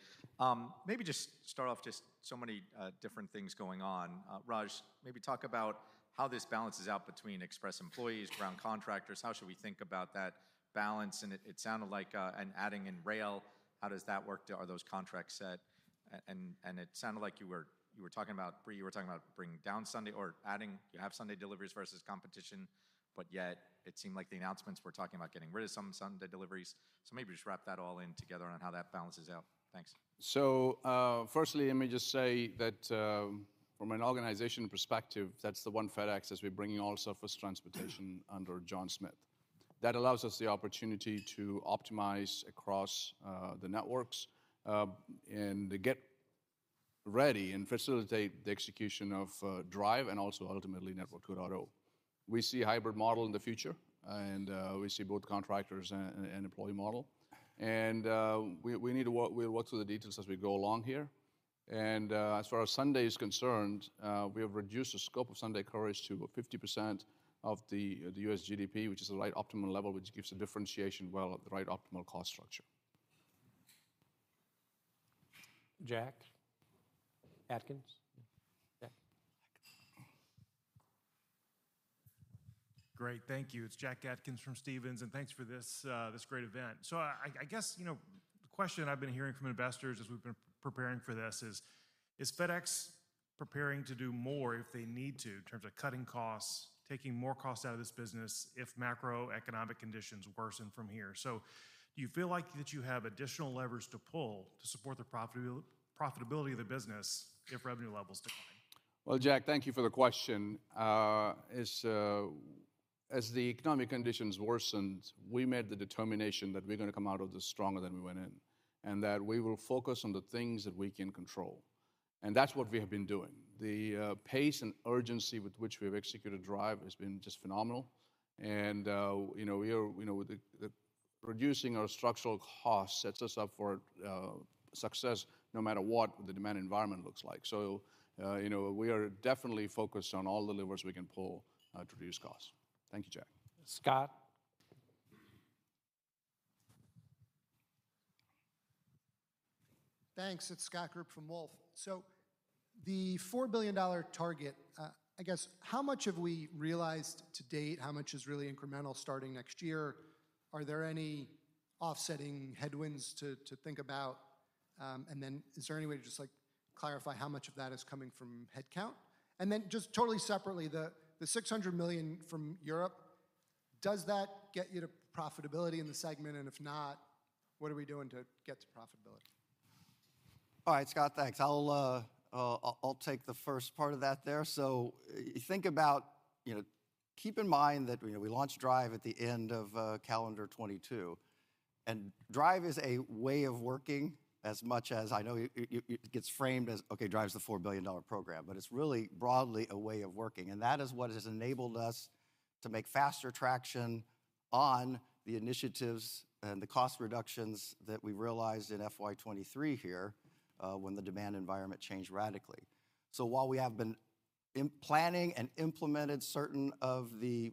Maybe just start off just so many different things going on. Raj, maybe talk about how this balances out between Express employees, Ground contractors. How should we think about that balance? It sounded like and adding in Rail, how does that work? Are those contracts set? It sounded like you were talking about Brie, you were talking about bringing down Sunday or adding. You have Sunday deliveries versus competition, yet it seemed like the announcements were talking about getting rid of some Sunday deliveries. Maybe just wrap that all in together on how that balances out. Thanks. firstly, let me just say that from an organization perspective, that's the One FedEx as we're bringing all surface transportation under John Smith. That allows us the opportunity to optimize across the networks and to get ready and facilitate the execution of DRIVE and also ultimately Network 2.0. We see a hybrid model in the future, and we see both contractors and employee model. We'll work through the details as we go along here. As far as Sunday is concerned, we have reduced the scope of Sunday Coverage to about 50% of the U.S. GDP, which is the right optimal level, which gives the differentiation well at the right optimal cost structure. Jack Atkins. Jack. Great. Thank you. It's Jack Atkins from Stephens, thanks for this great event. I guess, you know, the question I've been hearing from investors as we've been preparing for this is: Is FedEx preparing to do more if they need to in terms of cutting costs, taking more costs out of this business if macroeconomic conditions worsen from here? Do you feel like that you have additional levers to pull to support the profitability of the business if revenue levels decline? Well, Jack, thank you for the question. As the economic conditions worsened, we made the determination that we're gonna come out of this stronger than we went in, and that we will focus on the things that we can control. That's what we have been doing. The pace and urgency with which we have executed DRIVE has been just phenomenal. You know, we are, you know, with the reducing our structural costs sets us up for success no matter what the demand environment looks like. You know, we are definitely focused on all the levers we can pull to reduce costs. Thank you, Jack. Scott. Thanks. It's Scott Group from Wolfe. The $4 billion target, I guess, how much have we realized to date? How much is really incremental starting next year? Are there any offsetting headwinds to think about? Is there any way to just, like, clarify how much of that is coming from headcount? Just totally separately, the $600 million from Europe, does that get you to profitability in the segment? If not, what are we doing to get to profitability? All right, Scott. Thanks. I'll take the first part of that there. Think about, you know, keep in mind that, you know, we launched DRIVE at the end of calendar 2022, and DRIVE is a way of working as much as I know it gets framed as, okay, DRIVE's the $4 billion program, but it's really broadly a way of working. That is what has enabled us to make faster traction on the initiatives and the cost reductions that we realized in FY 2023 here, when the demand environment changed radically. While we have been planning and implemented certain of the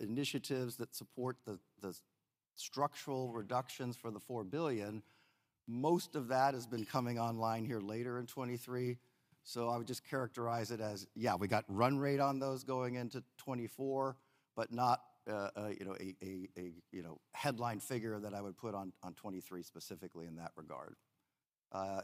initiatives that support the structural reductions for the $4 billion, most of that has been coming online here later in 2023. I would just characterize it as, yeah, we got run rate on those going into 2024, but not, you know, a, you know, headline figure that I would put on 2023 specifically in that regard.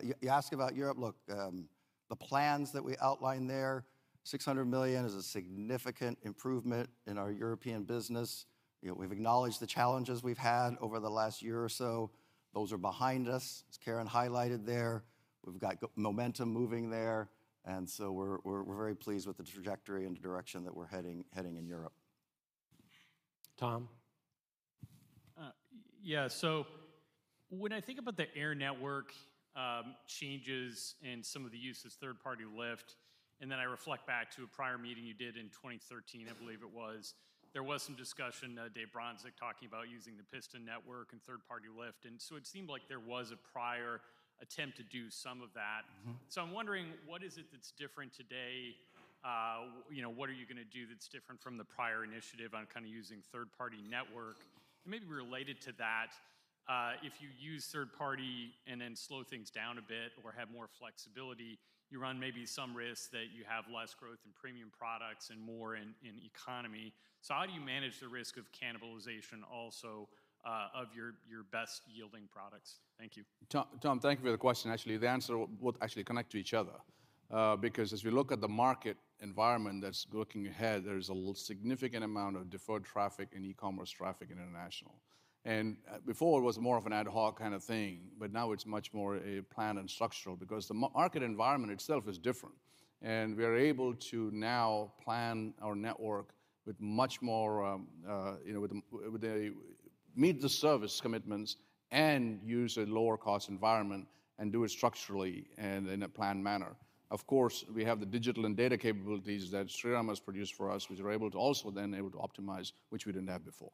You ask about Europe. Look, the plans that we outlined there, $600 million is a significant improvement in our European business. You know, we've acknowledged the challenges we've had over the last year or so. Those are behind us, as Karen highlighted there. We've got momentum moving there. We're very pleased with the trajectory and the direction that we're heading in Europe. Tom. Yeah. When I think about the Air Network changes and some of the use of third-party lift, and then I reflect back to a prior meeting you did in 2013, I believe it was, there was some discussion, Dave Bronczek talking about using the Piston Network and third-party lift. It seemed like there was a prior attempt to do some of that. Mm-hmm. I'm wondering, what is it that's different today? You know, what are you gonna do that's different from the prior initiative on kind of using third-party network? Maybe related to that, if you use third party and then slow things down a bit or have more flexibility, you run maybe some risk that you have less growth in premium products and more in economy. How do you manage the risk of cannibalization also, of your best yielding products? Thank you. Tom, thank you for the question. Actually, the answer will actually connect to each other, because as we look at the market environment that's looking ahead, there's a significant amount of deferred traffic and e-commerce traffic in international. Before it was more of an ad hoc kind of thing, but now it's much more a planned and structural because the market environment itself is different. We are able to now plan our network with much more, you know, Meet the service commitments and use a lower cost environment and do it structurally and in a planned manner. Of course, we have the digital and data capabilities that Sriram has produced for us, which we're able to also then able to optimize, which we didn't have before.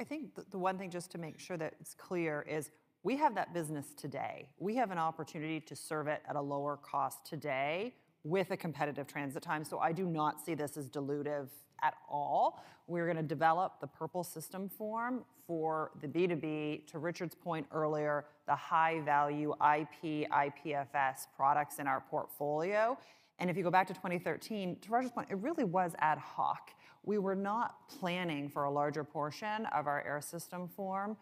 I think the one thing, just to make sure that it's clear, is we have that business today. We have an opportunity to serve it at a lower cost today with a competitive transit time. I do not see this as dilutive at all. We're gonna develop the Purple system form for the B2B, to Richard's point earlier, the high-value IP, IPFS products in our portfolio. If you go back to 2013, to Richard's point, it really was ad hoc. We were not planning for a larger portion of our air system form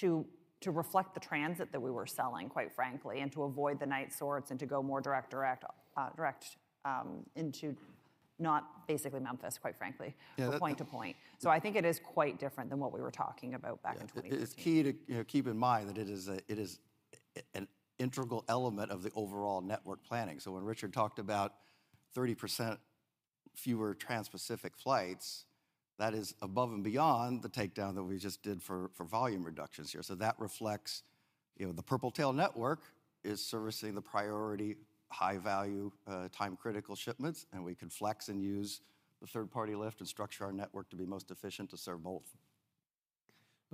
to reflect the transit that we were selling, quite frankly, and to avoid the night sorts and to go more direct into not basically Memphis, quite frankly. Yeah. Point to point. I think it is quite different than what we were talking about back in 2015. It's key to, you know, keep in mind that it is an integral element of the overall network planning. When Richard talked about 30% fewer transpacific flights, that is above and beyond the takedown that we just did for volume reductions here. That reflects, you know, the Purple Tail network is servicing the priority high-value, time-critical shipments, and we can flex and use the third-party lift and structure our network to be most efficient to serve both.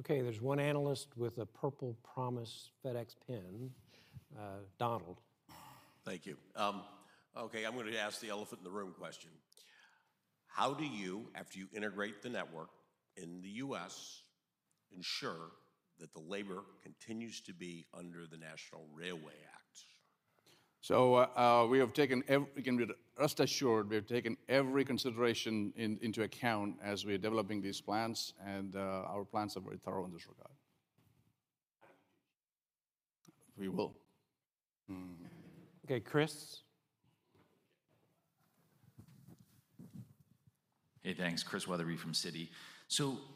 Okay, there's one analyst with a Purple Promise FedEx pen. Donald. Thank you. Okay, I'm gonna ask the elephant in the room question. How do you, after you integrate the network in the U.S., ensure that the labor continues to be under the Railway Labor Act? You can be rest assured we have taken every consideration into account as we're developing these plans, and our plans are very thorough in this regard. We will. Okay, Chris. Hey, thanks. Chris Wetherbee from Citi.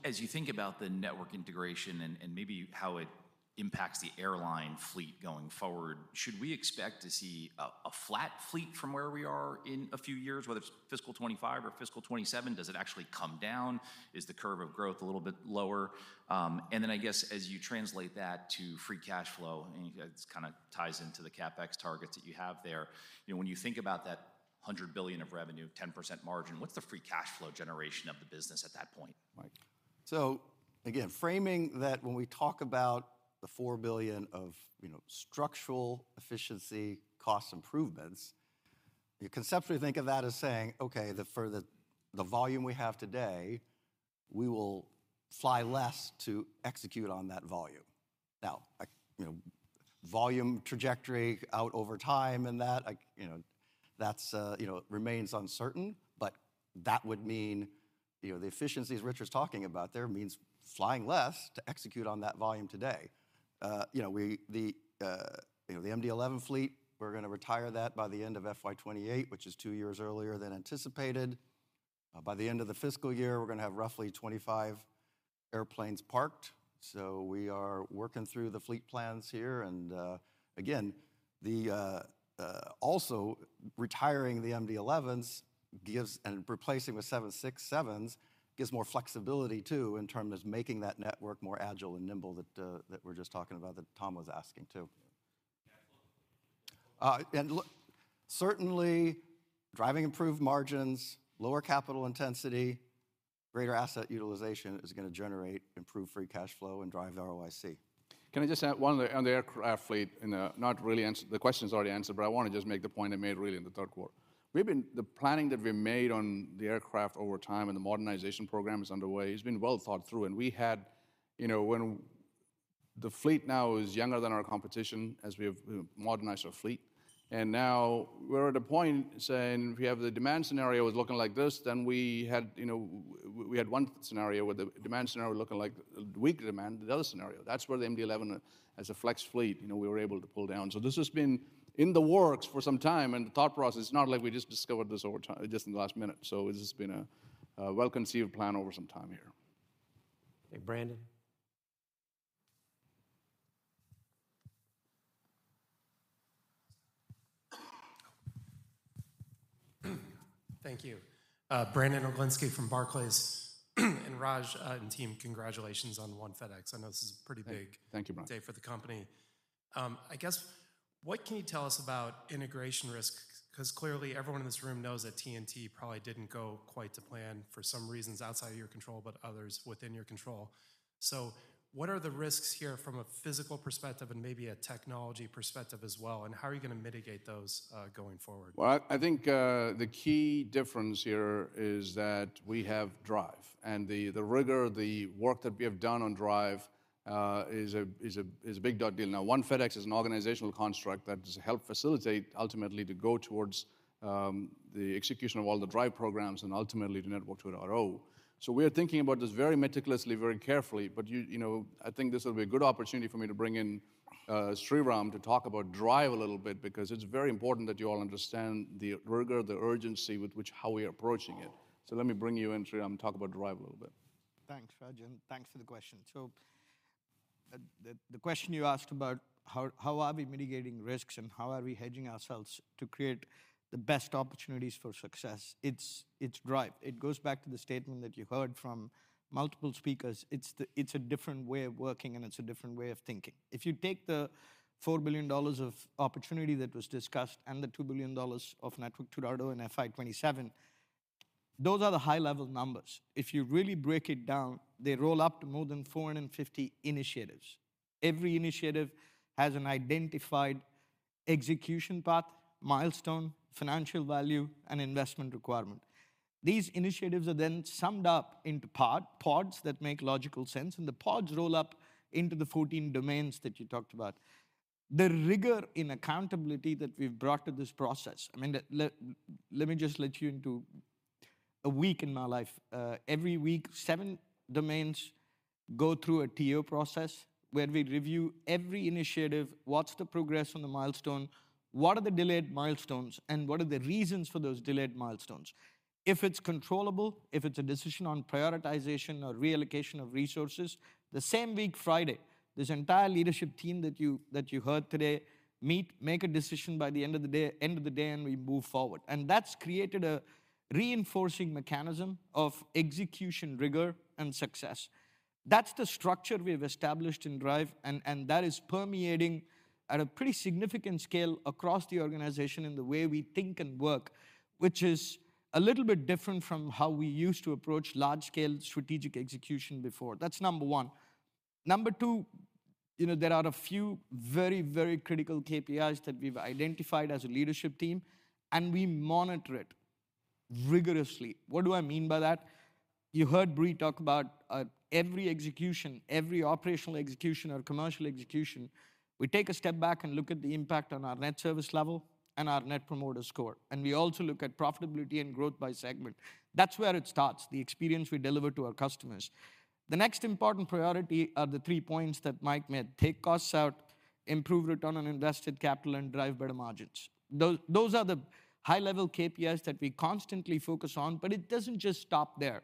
As you think about the network integration and maybe how it impacts the airline fleet going forward, should we expect to see a flat fleet from where we are in a few years, whether it's fiscal 2025 or fiscal 2027? Does it actually come down? Is the curve of growth a little bit lower? Then I guess, as you translate that to free cash flow, and it kind of ties into the CapEx targets that you have there, you know, when you think about that $100 billion of revenue, 10% margin, what's the free cash flow generation of the business at that point, Mike? Again, framing that when we talk about the $4 billion of, you know, structural efficiency cost improvements, you conceptually think of that as saying, "Okay, for the volume we have today, we will fly less to execute on that volume." You know, volume trajectory out over time and that, like, you know, that's, you know, remains uncertain, but that would mean, you know, the efficiencies Richard's talking about there means flying less to execute on that volume today. You know, the MD-11 fleet, we're gonna retire that by the end of FY 2028, which is two years earlier than anticipated. By the end of the fiscal year, we're gonna have roughly 25 airplanes parked. We are working through the fleet plans here and again, also retiring the MD-11s gives... Replacing with 767s gives more flexibility too in terms of making that network more agile and nimble that we're just talking about, that Tom was asking too. Certainly, driving improved margins, lower capital intensity, greater asset utilization is gonna generate improved free cash flow and drive the ROIC. Can I just add one on the aircraft fleet? Not really. The question's already answered, but I wanna just make the point I made really in the third quarter. The planning that we made on the aircraft over time and the modernization program is underway. It's been well thought through, and we had, you know, the fleet now is younger than our competition as we have, you know, modernized our fleet. Now we're at a point saying if we have the demand scenario is looking like this, then we had, you know, we had one scenario where the demand scenario looking like weak demand. The other scenario, that's where the MD-11 as a flex fleet, you know, we were able to pull down. This has been in the works for some time and the thought process, it's not like we just discovered this over time, just in the last minute. This has been a well-conceived plan over some time here. Hey, Brandon. Thank you. Brandon Oglenski from Barclays. Raj and team, congratulations on One FedEx. Thank you, Brandon. ...say for the company. I guess what can you tell us about integration risk? Clearly everyone in this room knows that TNT probably didn't go quite to plan for some reasons outside of your control, but others within your control. What are the risks here from a physical perspective and maybe a technology perspective as well, and how are you gonna mitigate those going forward? Well, I think the key difference here is that we have DRIVE, and the rigor, the work that we have done on DRIVE, is a big deal. One FedEx is an organizational construct that has helped facilitate ultimately to go towards the execution of all the DRIVE programs and ultimately the Network 2.0. We are thinking about this very meticulously, very carefully. You know, I think this will be a good opportunity for me to bring in Sriram to talk about DRIVE a little bit because it's very important that you all understand the rigor, the urgency with which how we are approaching it. Let me bring you in, Sriram, and talk about DRIVE a little bit. Thanks, Raj, thanks for the question. The question you asked about how are we mitigating risks and how are we hedging ourselves to create the best opportunities for success, it's DRIVE. It goes back to the statement that you heard from multiple speakers. It's a different way of working and it's a different way of thinking. If you take the $4 billion of opportunity that was discussed and the $2 billion of Network 2.0 in FY 2027, those are the high-level numbers. If you really break it down, they roll up to more than 450 initiatives. Every initiative has an identified execution path, milestone, financial value, and investment requirement. These initiatives are then summed up into pods that make logical sense, and the pods roll up into the 14 domains that you talked about. The rigor and accountability that we've brought to this process, I mean, let me just let you into a week in my life. Every week, seven domains go through a TO process where we review every initiative, what's the progress on the milestone, what are the delayed milestones, and what are the reasons for those delayed milestones. If it's controllable, if it's a decision on prioritization or reallocation of resources, the same week Friday. This entire leadership team that you heard today meet, make a decision by the end of the day. We move forward. That's created a reinforcing mechanism of execution rigor and success. That's the structure we've established in DRIVE, and that is permeating at a pretty significant scale across the organization in the way we think and work, which is a little bit different from how we used to approach large-scale strategic execution before. That's number one. Number two, you know, there are a few very, very critical KPIs that we've identified as a leadership team, and we monitor it rigorously. What do I mean by that? You heard Brie talk about every execution, every operational execution or commercial execution, we take a step back and look at the impact on our net service level and our net promoter score. We also look at profitability and growth by segment. That's where it starts, the experience we deliver to our customers. The next important priority are the three points that Mike made: take costs out, improve return on invested capital, and drive better margins. Those are the high-level KPIs that we constantly focus on, but it doesn't just stop there.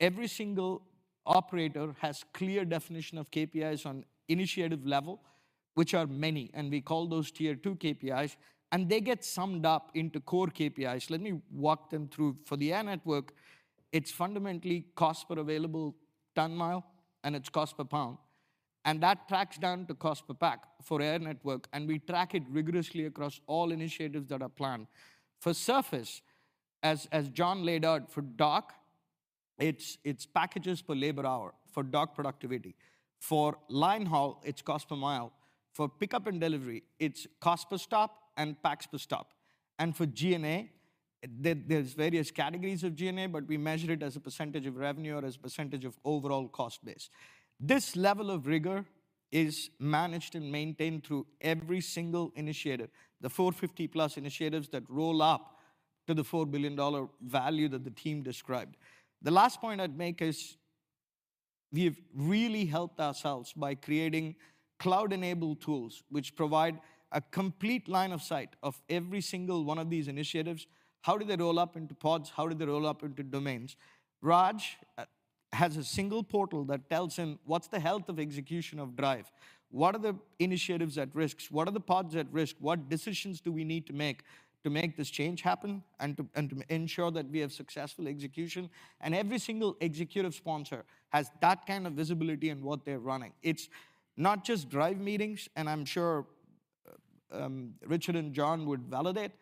Every single operator has clear definition of KPIs on initiative level, which are many, and we call those Tier 2 KPIs, and they get summed up into core KPIs. Let me walk them through. For the Air network, it's fundamentally cost per available ton mile, and it's cost per pound. That tracks down to cost per pack for Air network, and we track it rigorously across all initiatives that are planned. For Surface, as John laid out, for dock, it's packages per labor hour for dock productivity. For line haul, it's cost per pickup and delivery, it's cost per stop and packs per stop. For GNA, there's various categories of GNA, we measure it as a percentage of revenue or as percentage of overall cost base. This level of rigor is managed and maintained through every single initiative, the 450+ initiatives that roll up to the $4 billion value that the team described. The last point I'd make is we've really helped ourselves by creating cloud-enabled tools which provide a complete line of sight of every single one of these initiatives. How do they roll up into pods? How do they roll up into domains? Raj has a single portal that tells him what's the health of execution of DRIVE. What are the initiatives at risks? What are the pods at risk? What decisions do we need to make to make this change happen and to ensure that we have successful execution? Every single executive sponsor has that kind of visibility in what they're running. It's not just DRIVE meetings, and I'm sure, Richard and John would validate,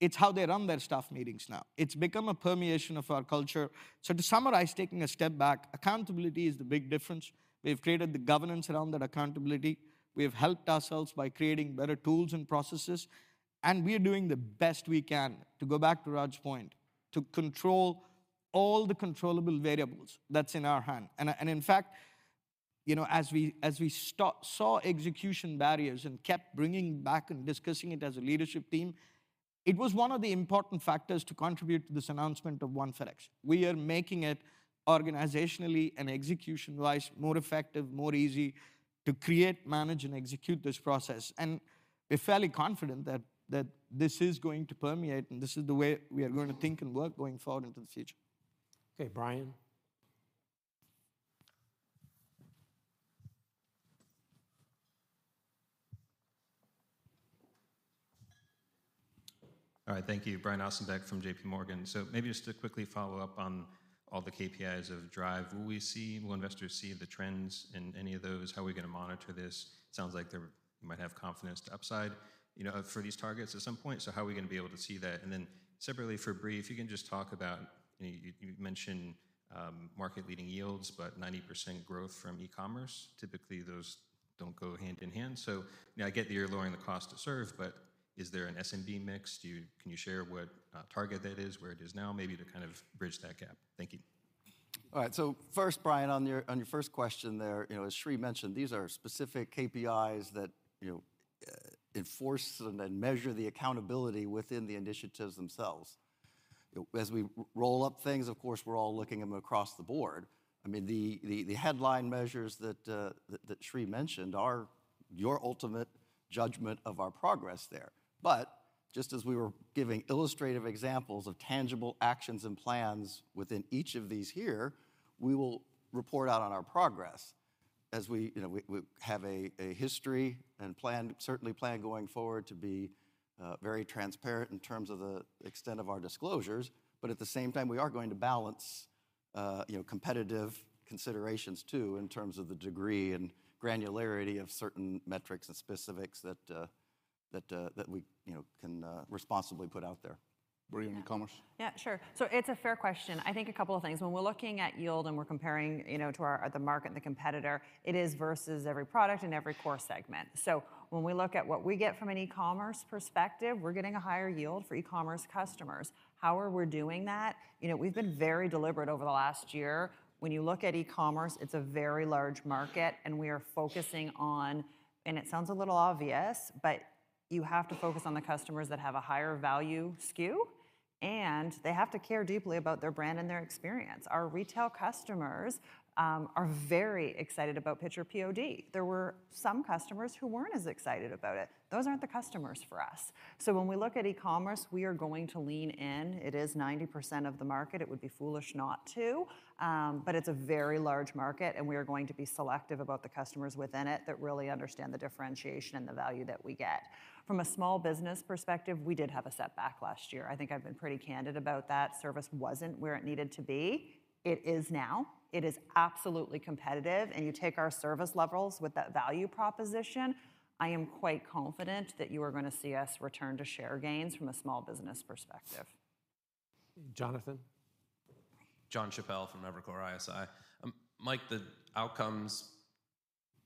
it's how they run their staff meetings now. It's become a permeation of our culture. To summarize, taking a step back, accountability is the big difference. We've created the governance around that accountability. We've helped ourselves by creating better tools and processes, and we are doing the best we can, to go back to Raj's point, to control all the controllable variables that's in our hand. In fact, you know, as we saw execution barriers and kept bringing back and discussing it as a leadership team, it was one of the important factors to contribute to this announcement of One FedEx. We are making it organizationally and execution-wise, more effective, more easy to create, manage, and execute this process. We're fairly confident that this is going to permeate and this is the way we are going to think and work going forward into the future. Okay, Brian. All right, thank you. Brian Ossenbeck from JPMorgan. Maybe just to quickly follow up on all the KPIs of DRIVE. Will investors see the trends in any of those? How are we gonna monitor this? It sounds like you might have confidence to upside, you know, for these targets at some point. How are we gonna be able to see that? Separately for Brie, if you can just talk about, you know, you mentioned market leading yields but 90% growth from e-commerce. Typically, those don't go hand in hand. You know, I get that you're lowering the cost to serve, but is there an SMB mix? Can you share what target that is? Where it is now maybe to kind of bridge that gap. Thank you. First, Brian, on your first question there, you know, as Sri mentioned, these are specific KPIs that, you know, enforce and then measure the accountability within the initiatives themselves. You know, as we roll up things, of course, we're all looking them across the board. I mean, the headline measures that Sri mentioned are your ultimate judgment of our progress there. Just as we were giving illustrative examples of tangible actions and plans within each of these here, we will report out on our progress as we, you know, we have a history and plan, certainly plan going forward to be very transparent in terms of the extent of our disclosures. At the same time, we are going to balance, you know, competitive considerations too in terms of the degree and granularity of certain metrics and specifics that we, you know, can responsibly put out there. Brie, on e-commerce? Yeah, sure. It's a fair question. I think a couple of things. When we're looking at yield and we're comparing, you know, to our, the market and the competitor, it is versus every product and every core segment. When we look at what we get from an e-commerce perspective, we're getting a higher yield for e-commerce customers. How are we doing that? You know, we've been very deliberate over the last year. When you look at e-commerce, it's a very large market and we are focusing on, and it sounds a little obvious, but you have to focus on the customers that have a higher value SKU. They have to care deeply about their brand and their experience. Our retail customers are very excited about Picture POD. There were some customers who weren't as excited about it. Those aren't the customers for us. When we look at e-commerce, we are going to lean in. It is 90% of the market. It would be foolish not to. It's a very large market, and we are going to be selective about the customers within it that really understand the differentiation and the value that we get. From a small business perspective, we did have a setback last year. I think I've been pretty candid about that. Service wasn't where it needed to be. It is now. It is absolutely competitive, and you take our service levels with that value proposition, I am quite confident that you are gonna see us return to share gains from a small business perspective. Jonathan. Jonathan Chappell from Evercore ISI. Mike, the outcomes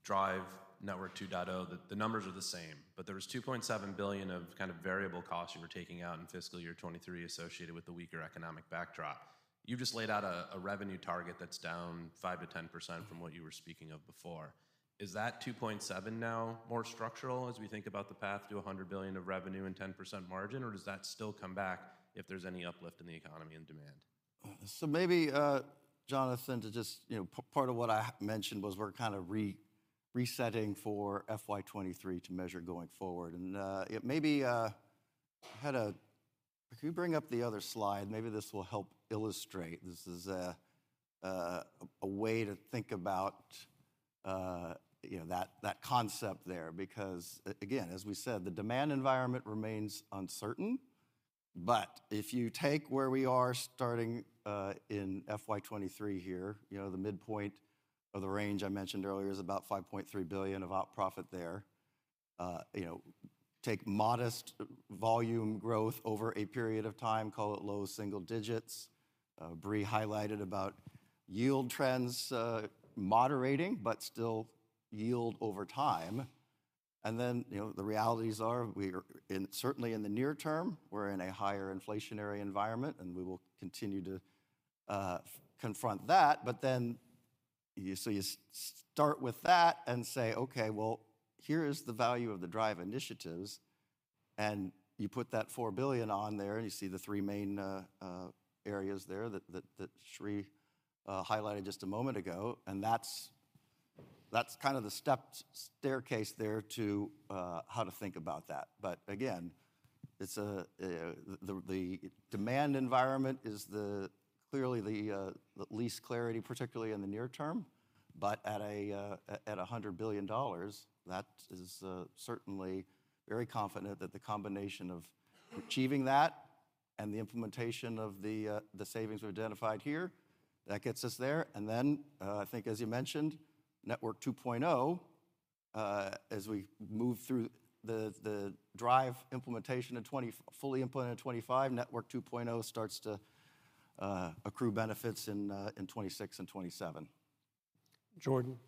DRIVE Network 2.0, the numbers are the same. There was $2.7 billion of kind of variable costs you were taking out in fiscal year 2023 associated with the weaker economic backdrop. You've just laid out a revenue target that's down 5%-10% from what you were speaking of before. Is that $2.7 billion now more structural as we think about the path to $100 billion of revenue and 10% margin? Does that still come back if there's any uplift in the economy and demand? Maybe, Jonathan, to just, you know, part of what I mentioned was we're kind of resetting for FY 2023 to measure going forward. It may be, If you bring up the other slide, maybe this will help illustrate. This is a way to think about, you know, that concept there. Again, as we said, the demand environment remains uncertain. If you take where we are starting, in FY 2023 here, you know, the midpoint of the range I mentioned earlier is about $5.3 billion of op profit there. You know, take modest volume growth over a period of time, call it low single digits. Brie highlighted about yield trends moderating, but still yield over time. You know, the realities are we're certainly in the near term, we're in a higher inflationary environment, and we will continue to confront that. You start with that and say, "Okay, well, here is the value of the DRIVE initiatives," and you put that $4 billion on there. You see the three main areas there that Sri highlighted just a moment ago. That's kind of the stepped staircase there to how to think about that. It's the demand environment is clearly the least clarity, particularly in the near term. At a $100 billion, that is certainly very confident that the combination of achieving that and the implementation of the savings we identified here, that gets us there. I think as you mentioned, Network 2.0, as we move through the DRIVE implementation fully implemented in 2025, Network 2.0 starts to accrue benefits in 2026 and 2027. Jordan.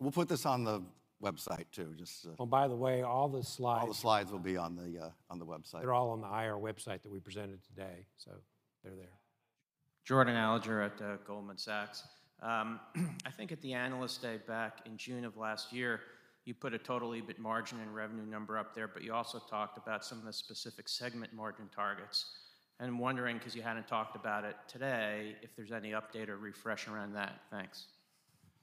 We'll put this on the website, too. Just. Oh, by the way, all the slides- All the slides will be on the, on the website. They're all on the IR website that we presented today. They're there. Jordan Alliger at Goldman Sachs. I think at the Analyst Day back in June of last year, you put a total EBIT margin and revenue number up there, but you also talked about some of the specific segment margin targets. I'm wondering, 'cause you hadn't talked about it today, if there's any update or refresh around that. Thanks.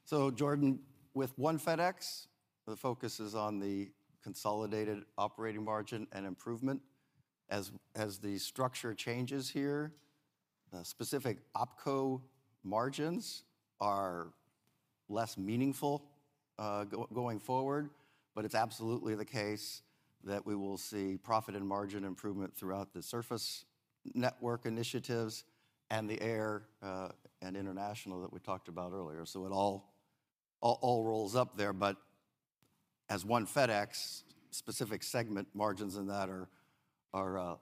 Jordan, with One FedEx, the focus is on the consolidated operating margin and improvement. As the structure changes here, specific opco margins are less meaningful, going forward. It's absolutely the case that we will see profit and margin improvement throughout the surface network initiatives and the air and international that we talked about earlier. It all rolls up there. As One FedEx, specific segment margins in that are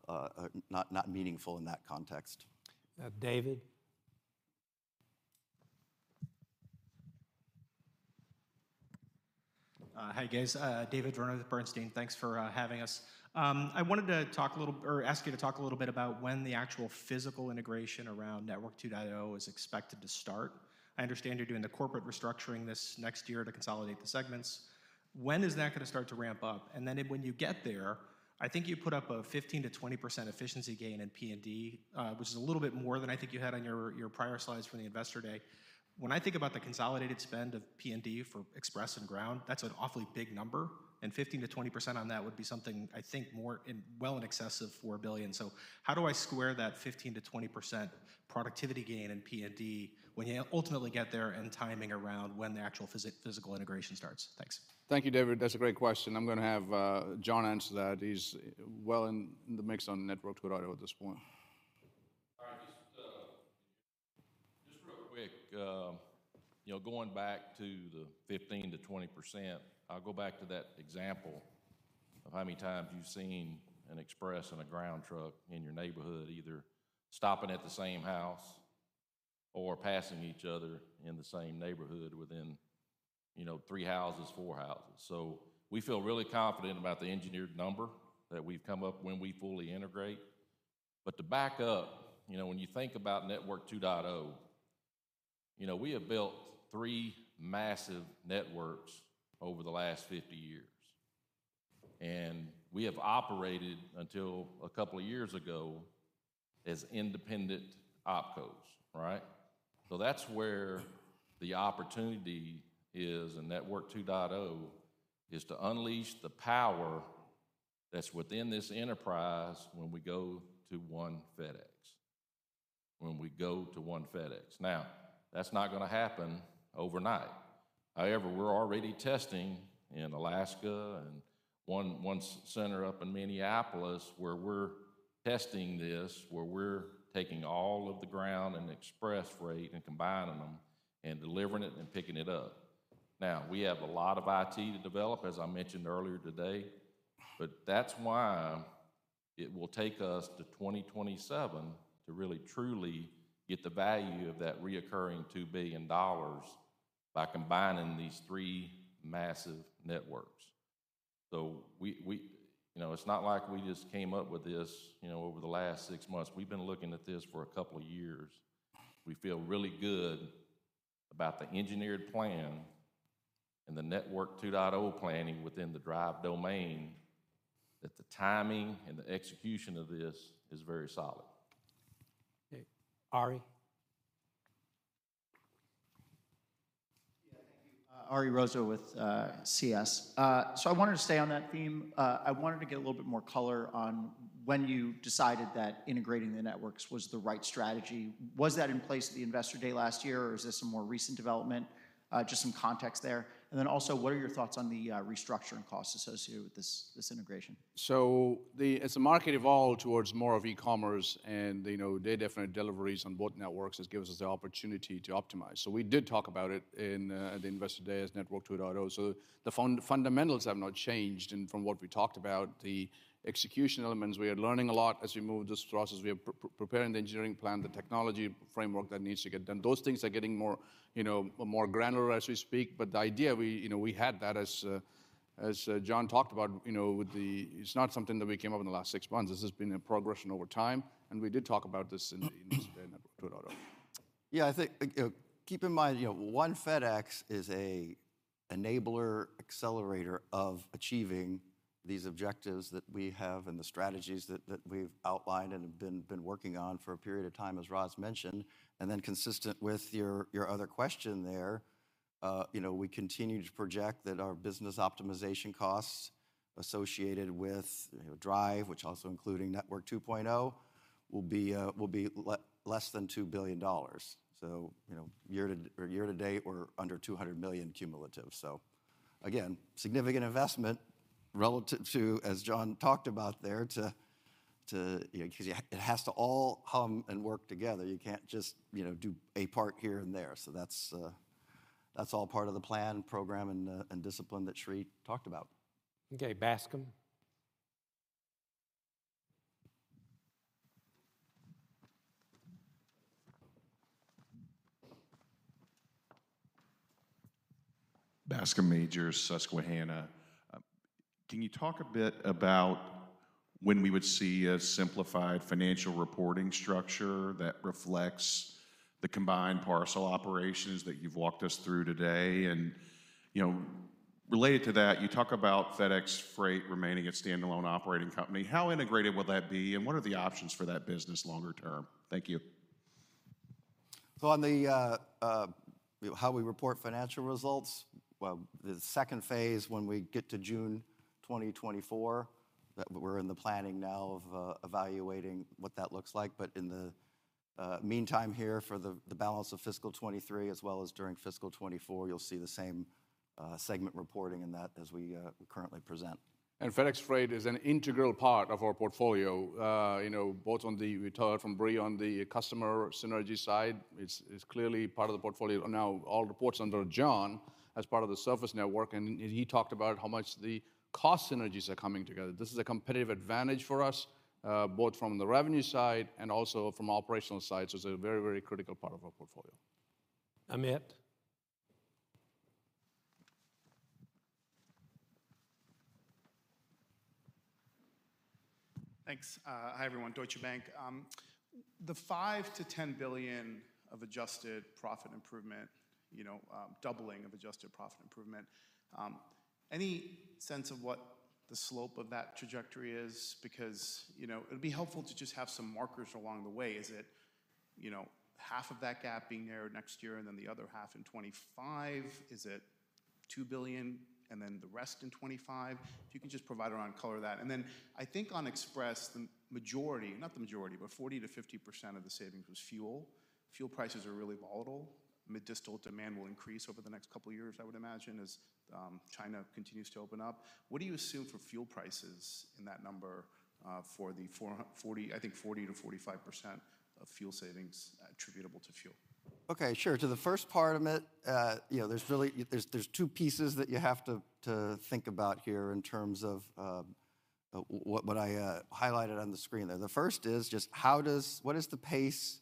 not meaningful in that context. David. Hi guys. David Vernon with Bernstein. Thanks for having us. I wanted to ask you to talk a little bit about when the actual physical integration around Network 2.0 is expected to start. I understand you're doing the corporate restructuring this next year to consolidate the segments. When is that gonna start to ramp up? When you get there, I think you put up a 15%-20% efficiency gain in P&D, which is a little bit more than I think you had on your prior slides from the Investor Day. When I think about the consolidated spend of P&D for Express and Ground, that's an awfully big number, and 15%-20% on that would be something, I think, more well in excess of $4 billion. How do I square that 15%-20% productivity gain in P&D when you ultimately get there and timing around when the actual physical integration starts? Thanks. Thank you, David. That's a great question. I'm gonna have John answer that. He's well in the mix on Network 2.0 at this point. All right. Just real quick, you know, going back to the 15%-20%, I'll go back to that example of how many times you've seen an Express and a Ground truck in your neighborhood either stopping at the same house or passing each other in the same neighborhood within, you know, three houses, four houses. We feel really confident about the engineered number that we've come up when we fully integrate. To back up, you know, when you think about Network 2.0. You know, we have built three massive networks over the last 50 years. We have operated until a couple of years ago as independent opcos, right? That's where the opportunity is in Network 2.0, is to unleash the power that's within this enterprise when we go to One FedEx. When we go to One FedEx. That's not gonna happen overnight. However, we're already testing in Alaska and one center up in Minneapolis where we're testing this, where we're taking all of the ground and express freight and combining them and delivering it and picking it up. We have a lot of IT to develop, as I mentioned earlier today, but that's why it will take us to 2027 to really truly get the value of that reoccurring $2 billion by combining these three massive networks. We, you know, it's not like we just came up with this, you know, over the last six months. We've been looking at this for a couple of years. We feel really good about the engineered plan and the Network 2.0 planning within the DRIVE domain, that the timing and the execution of this is very solid. Okay. Ari? Yeah, thank you. Ari Rosa with CS. I wanted to stay on that theme. I wanted to get a little bit more color on when you decided that integrating the networks was the right strategy. Was that in place at the Investor Day last year, or is this a more recent development? Just some context there. Then also, what are your thoughts on the restructuring costs associated with this integration? As the market evolved towards more of e-commerce and, you know, day-definite deliveries on both networks, this gives us the opportunity to optimize. We did talk about it at Investor Day as Network 2.0. The fundamentals have not changed. From what we talked about, the execution elements, we are learning a lot as we move this process. We are preparing the engineering plan, the technology framework that needs to get done. Those things are getting more, you know, more granular as we speak. The idea, we, you know, we had that as John talked about, you know, It's not something that we came up in the last six months. This has been in progression over time, and we did talk about this in this day, Network 2.0. Yeah, I think, you know, keep in mind, you know, One FedEx is a enabler, accelerator of achieving these objectives that we have and the strategies that we've outlined and have been working on for a period of time, as Raj mentioned. Consistent with your other question there, you know, we continue to project that our business optimization costs associated with, you know, DRIVE, which also including Network 2.0, will be less than $2 billion. You know, year-to-date, we're under $200 million cumulative. Again, significant investment relative to, as John talked about there, to, you know, 'cause it has to all hum and work together. You can't just, you know, do a part here and there. That's all part of the plan, program, and discipline that Sri talked about. Okay. Bascome? Bascome Majors, Susquehanna. Can you talk a bit about when we would see a simplified financial reporting structure that reflects the combined parcel operations that you've walked us through today? You know, related to that, you talk about FedEx Freight remaining a standalone operating company. How integrated will that be, and what are the options for that business longer term? Thank you. On the, you know, how we report financial results, well, the second phase, when we get to June 2024, that we're in the planning now of evaluating what that looks like. In the meantime here, for the balance of fiscal 2023 as well as during fiscal 2024, you'll see the same segment reporting in that as we currently present. FedEx Freight is an integral part of our portfolio. You know, both we heard from Brie on the customer synergy side. It's clearly part of the portfolio. Now all reports under John as part of the surface network, and he talked about how much the cost synergies are coming together. This is a competitive advantage for us, both from the revenue side and also from operational side. It's a very, very critical part of our portfolio. Amit? Thanks. Hi, everyone. Deutsche Bank. The $5 billion-$10 billion of adjusted profit improvement, you know, doubling of adjusted profit improvement, any sense of what the slope of that trajectory is? Because, you know, it'd be helpful to just have some markers along the way. Is it, you know, half of that gap being narrowed next year and then the other half in 2025? Is it $2 billion and then the rest in 2025? If you could just provide around color of that. Then I think on Express, not the majority, but 40%-50% of the savings was fuel. Fuel prices are really volatile. Mid-distal demand will increase over the next couple years, I would imagine, as China continues to open up. What do you assume for fuel prices in that number, for the 40%, I think 40%-45% of fuel savings attributable to fuel? Okay, sure. To the first part, Amit, you know, there's two pieces that you have to think about here in terms of what I highlighted on the screen there. The first is just what is the pace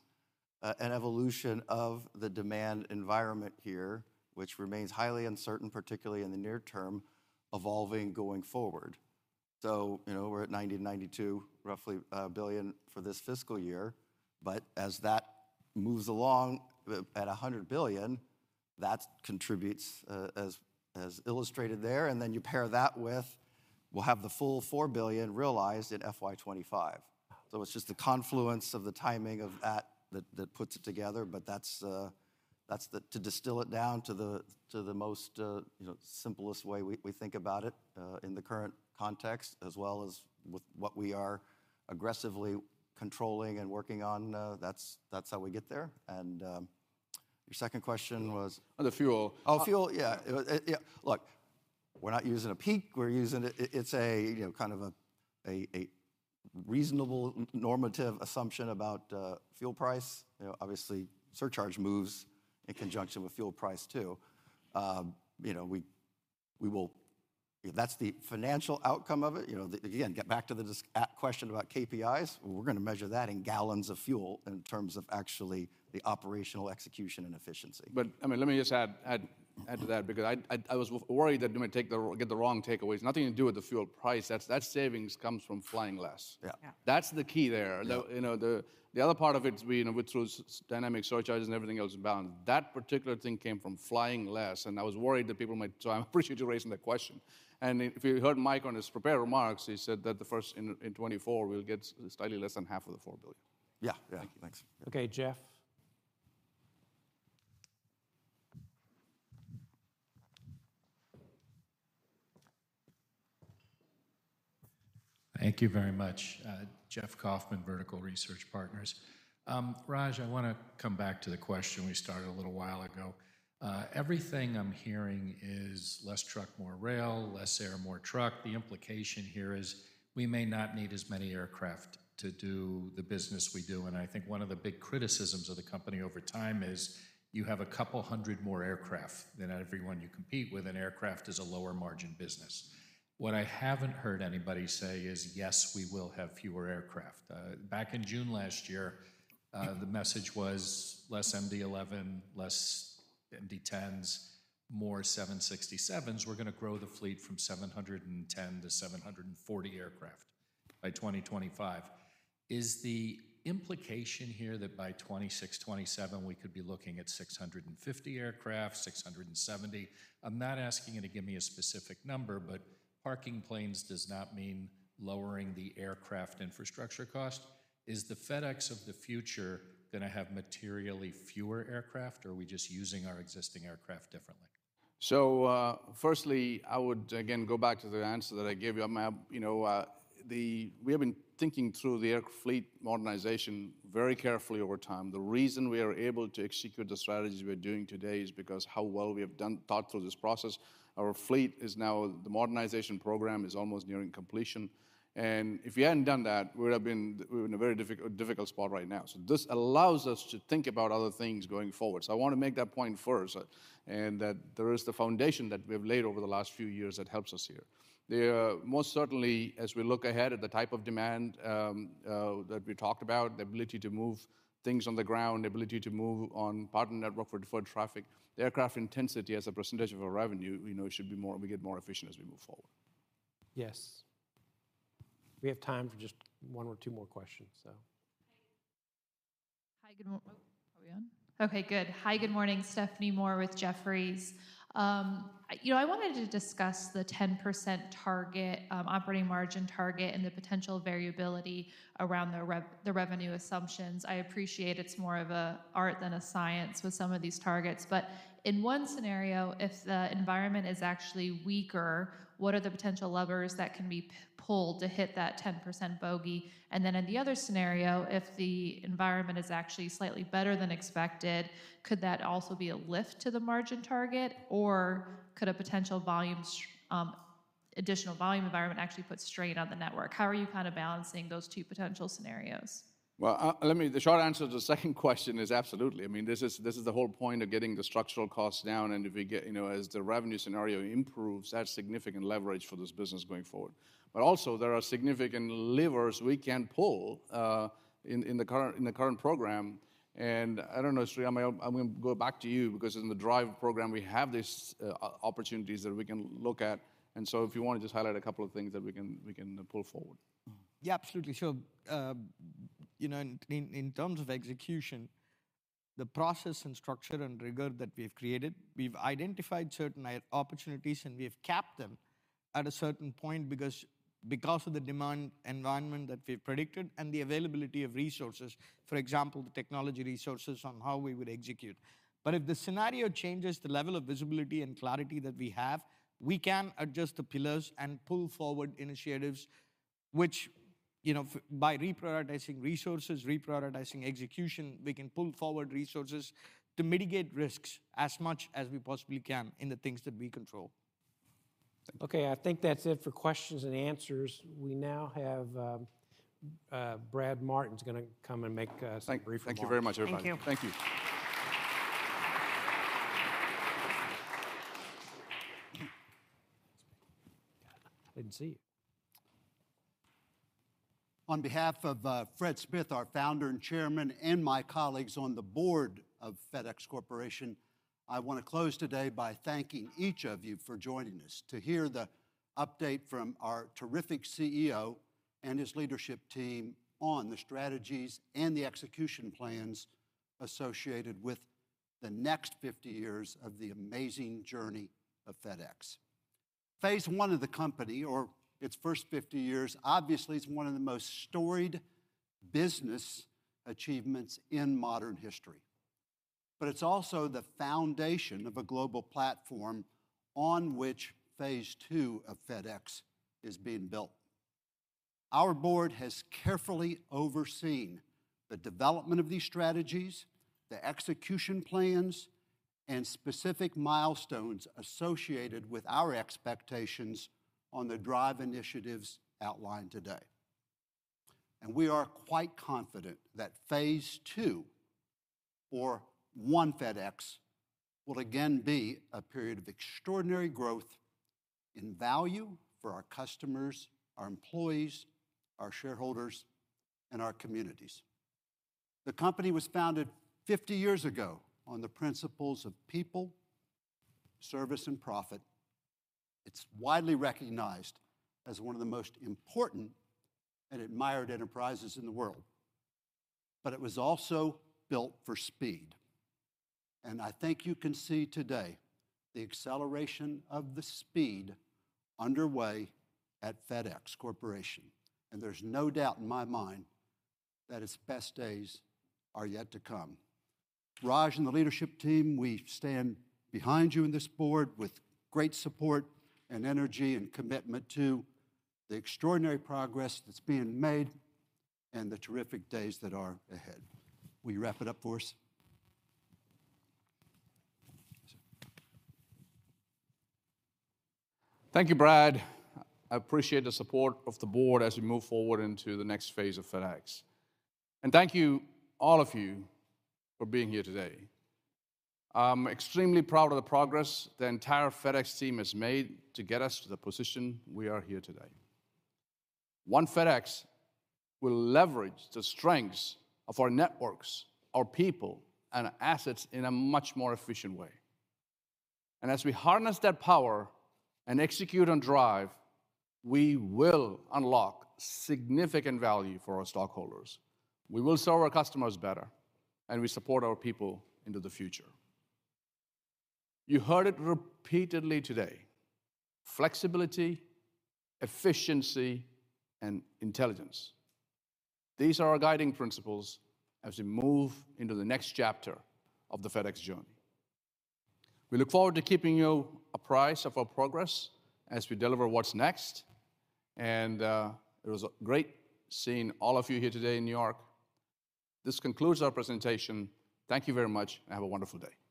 and evolution of the demand environment here, which remains highly uncertain, particularly in the near term, evolving going forward. You know, we're at $90 billion-$92 billion, roughly, for this fiscal year. As that moves along at $100 billion, that's contributes, as illustrated there, and then you pair that with we'll have the full $4 billion realized in FY 2025. It's just the confluence of the timing of that puts it together, but that's to distill it down to the most, you know, simplest way we think about it, in the current context, as well as with what we are aggressively controlling and working on, that's how we get there. Your second question was? On the fuel. Oh, fuel. Yeah. Look, we're not using a peak. We're using. It's a, you know, kind of a reasonable normative assumption about fuel price. You know, obviously surcharge moves in conjunction with fuel price too. You know, we will. That's the financial outcome of it. You know, again, get back to the question about KPIs, we're gonna measure that in gallons of fuel in terms of actually the operational execution and efficiency. I mean, let me just add to that because I was worried that we might take the wrong get the wrong takeaways. Nothing to do with the fuel price. That savings comes from flying less. Yeah. Yeah. That's the key there. Yeah. The, you know, the other part of it we know, which was dynamic surcharges and everything else bound. That particular thing came from flying less, I was worried that people might... I appreciate you raising that question. If you heard Mike on his prepared remarks, he said that the first in 2024, we'll get slightly less than half of the $4 billion. Yeah. Yeah. Thank you. Thanks. Okay, Jeff. Thank you very much. Jeff Kauffman, Vertical Research Partners. Raj, I wanna come back to the question we started a little while ago. Everything I'm hearing is less truck, more rail, less air, more truck. The implication here is we may not need as many aircraft to do the business we do, and I think one of the big criticisms of the company over time is you have a couple hundred more aircraft than everyone you compete with, and aircraft is a lower margin business. What I haven't heard anybody say is, "Yes, we will have fewer aircraft." Back in June last year, the message was less MD-11, less MD-10s, more 767s. We're gonna grow the fleet from 710-740 aircraft by 2025. Is the implication here that by 2026, 2027, we could be looking at 650 aircraft, 670? I'm not asking you to give me a specific number. Parking planes does not mean lowering the aircraft infrastructure cost. Is the FedEx of the future gonna have materially fewer aircraft, or are we just using our existing aircraft differently? Firstly, I would again go back to the answer that I gave you. You know, we have been thinking through the air fleet modernization very carefully over time. The reason we are able to execute the strategies we're doing today is because how well we have thought through this process. Our fleet. The modernization program is almost nearing completion. If we hadn't done that, we were in a very difficult spot right now. This allows us to think about other things going forward. I want to make that point first, and that there is the foundation that we have laid over the last few years that helps us here. There are most certainly, as we look ahead at the type of demand, that we talked about, the ability to move things on the ground, the ability to move on partner network for deferred traffic. The aircraft intensity as a percentage of our revenue, you know, should be more, we get more efficient as we move forward. Yes. We have time for just one or two more questions, so... Hi. Are we on? Okay, good. Hi, good morning. Stephanie Moore with Jefferies. you know, I wanted to discuss the 10% target operating margin target and the potential variability around the revenue assumptions. I appreciate it's more of a art than a science with some of these targets. In one scenario, if the environment is actually weaker, what are the potential levers that can be pulled to hit that 10% bogey? In the other scenario, if the environment is actually slightly better than expected, could that also be a lift to the margin target, or could a potential additional volume environment actually put strain on the network? How are you kind of balancing those two potential scenarios? Well, The short answer to the second question is absolutely. I mean, this is the whole point of getting the structural costs down. If we get, you know, as the revenue scenario improves, that's significant leverage for this business going forward. Also, there are significant levers we can pull in the current program. I don't know, Sri, I'm gonna go back to you because in the DRIVE program, we have these opportunities that we can look at. So if you want to just highlight a couple of things that we can pull forward. Yeah, absolutely. You know, in terms of execution, the process and structure and rigor that we've created, we've identified certain opportunities, and we have capped them at a certain point because of the demand environment that we've predicted and the availability of resources, for example, the technology resources on how we would execute. If the scenario changes the level of visibility and clarity that we have, we can adjust the pillars and pull forward initiatives which, you know, by reprioritizing resources, reprioritizing execution, we can pull forward resources to mitigate risks as much as we possibly can in the things that we control. Okay. I think that's it for questions-and-answers. We now have Brad Martin is gonna come and make some brief remarks. Thank you very much, everybody. Thank you. Thank you. I didn't see you. On behalf of Fred Smith, our Founder and Chairman, and my colleagues on the board of FedEx Corporation, I wanna close today by thanking each of you for joining us to hear the update from our terrific CEO and his leadership team on the strategies and the execution plans associated with the next 50 years of the amazing fedex. Phase I of the company, or its first 50 years, obviously is one of the most storied business achievements in modern history, but it's also the foundation of a global platform on which phase II of FedEx is being built. Our board has carefully overseen the development of these strategies, the execution plans, and specific milestones associated with our expectations on the DRIVE initiatives outlined today. We are quite confident that phase II, or One FedEx, will again be a period of extraordinary growth and value for our customers, our employees, our shareholders, and our communities. The company was founded 50 years ago on the principles of people, service, and profit. It's widely recognized as one of the most important and admired enterprises in the world. It was also built for speed, and I think you can see today the acceleration of the speed underway at FedEx Corporation, and there's no doubt in my mind that its best days are yet to come. Raj and the leadership team, we stand behind you in this board with great support and energy and commitment to the extraordinary progress that's being made and the terrific days that are ahead. Will you wrap it up for us? Thank you, Brad. I appreciate the support of the board as we move forward into the next phase of FedEx. Thank you, all of you, for being here today. I'm extremely proud of the progress the entire FedEx team has made to get us to the position we are here today. One FedEx will leverage the strengths of our networks, our people, and assets in a much more efficient way. As we harness that power and execute on DRIVE, we will unlock significant value for our stockholders. We will serve our customers better, and we support our people into the future. You heard it repeatedly today: flexibility, efficiency, and intelligence. These are our guiding principles as we move into the next chapter of the FedEx journey. We look forward to keeping you apprised of our progress as we deliver what's next. It was great seeing all of you here today in New York. This concludes our presentation. Thank you very much, and have a wonderful day.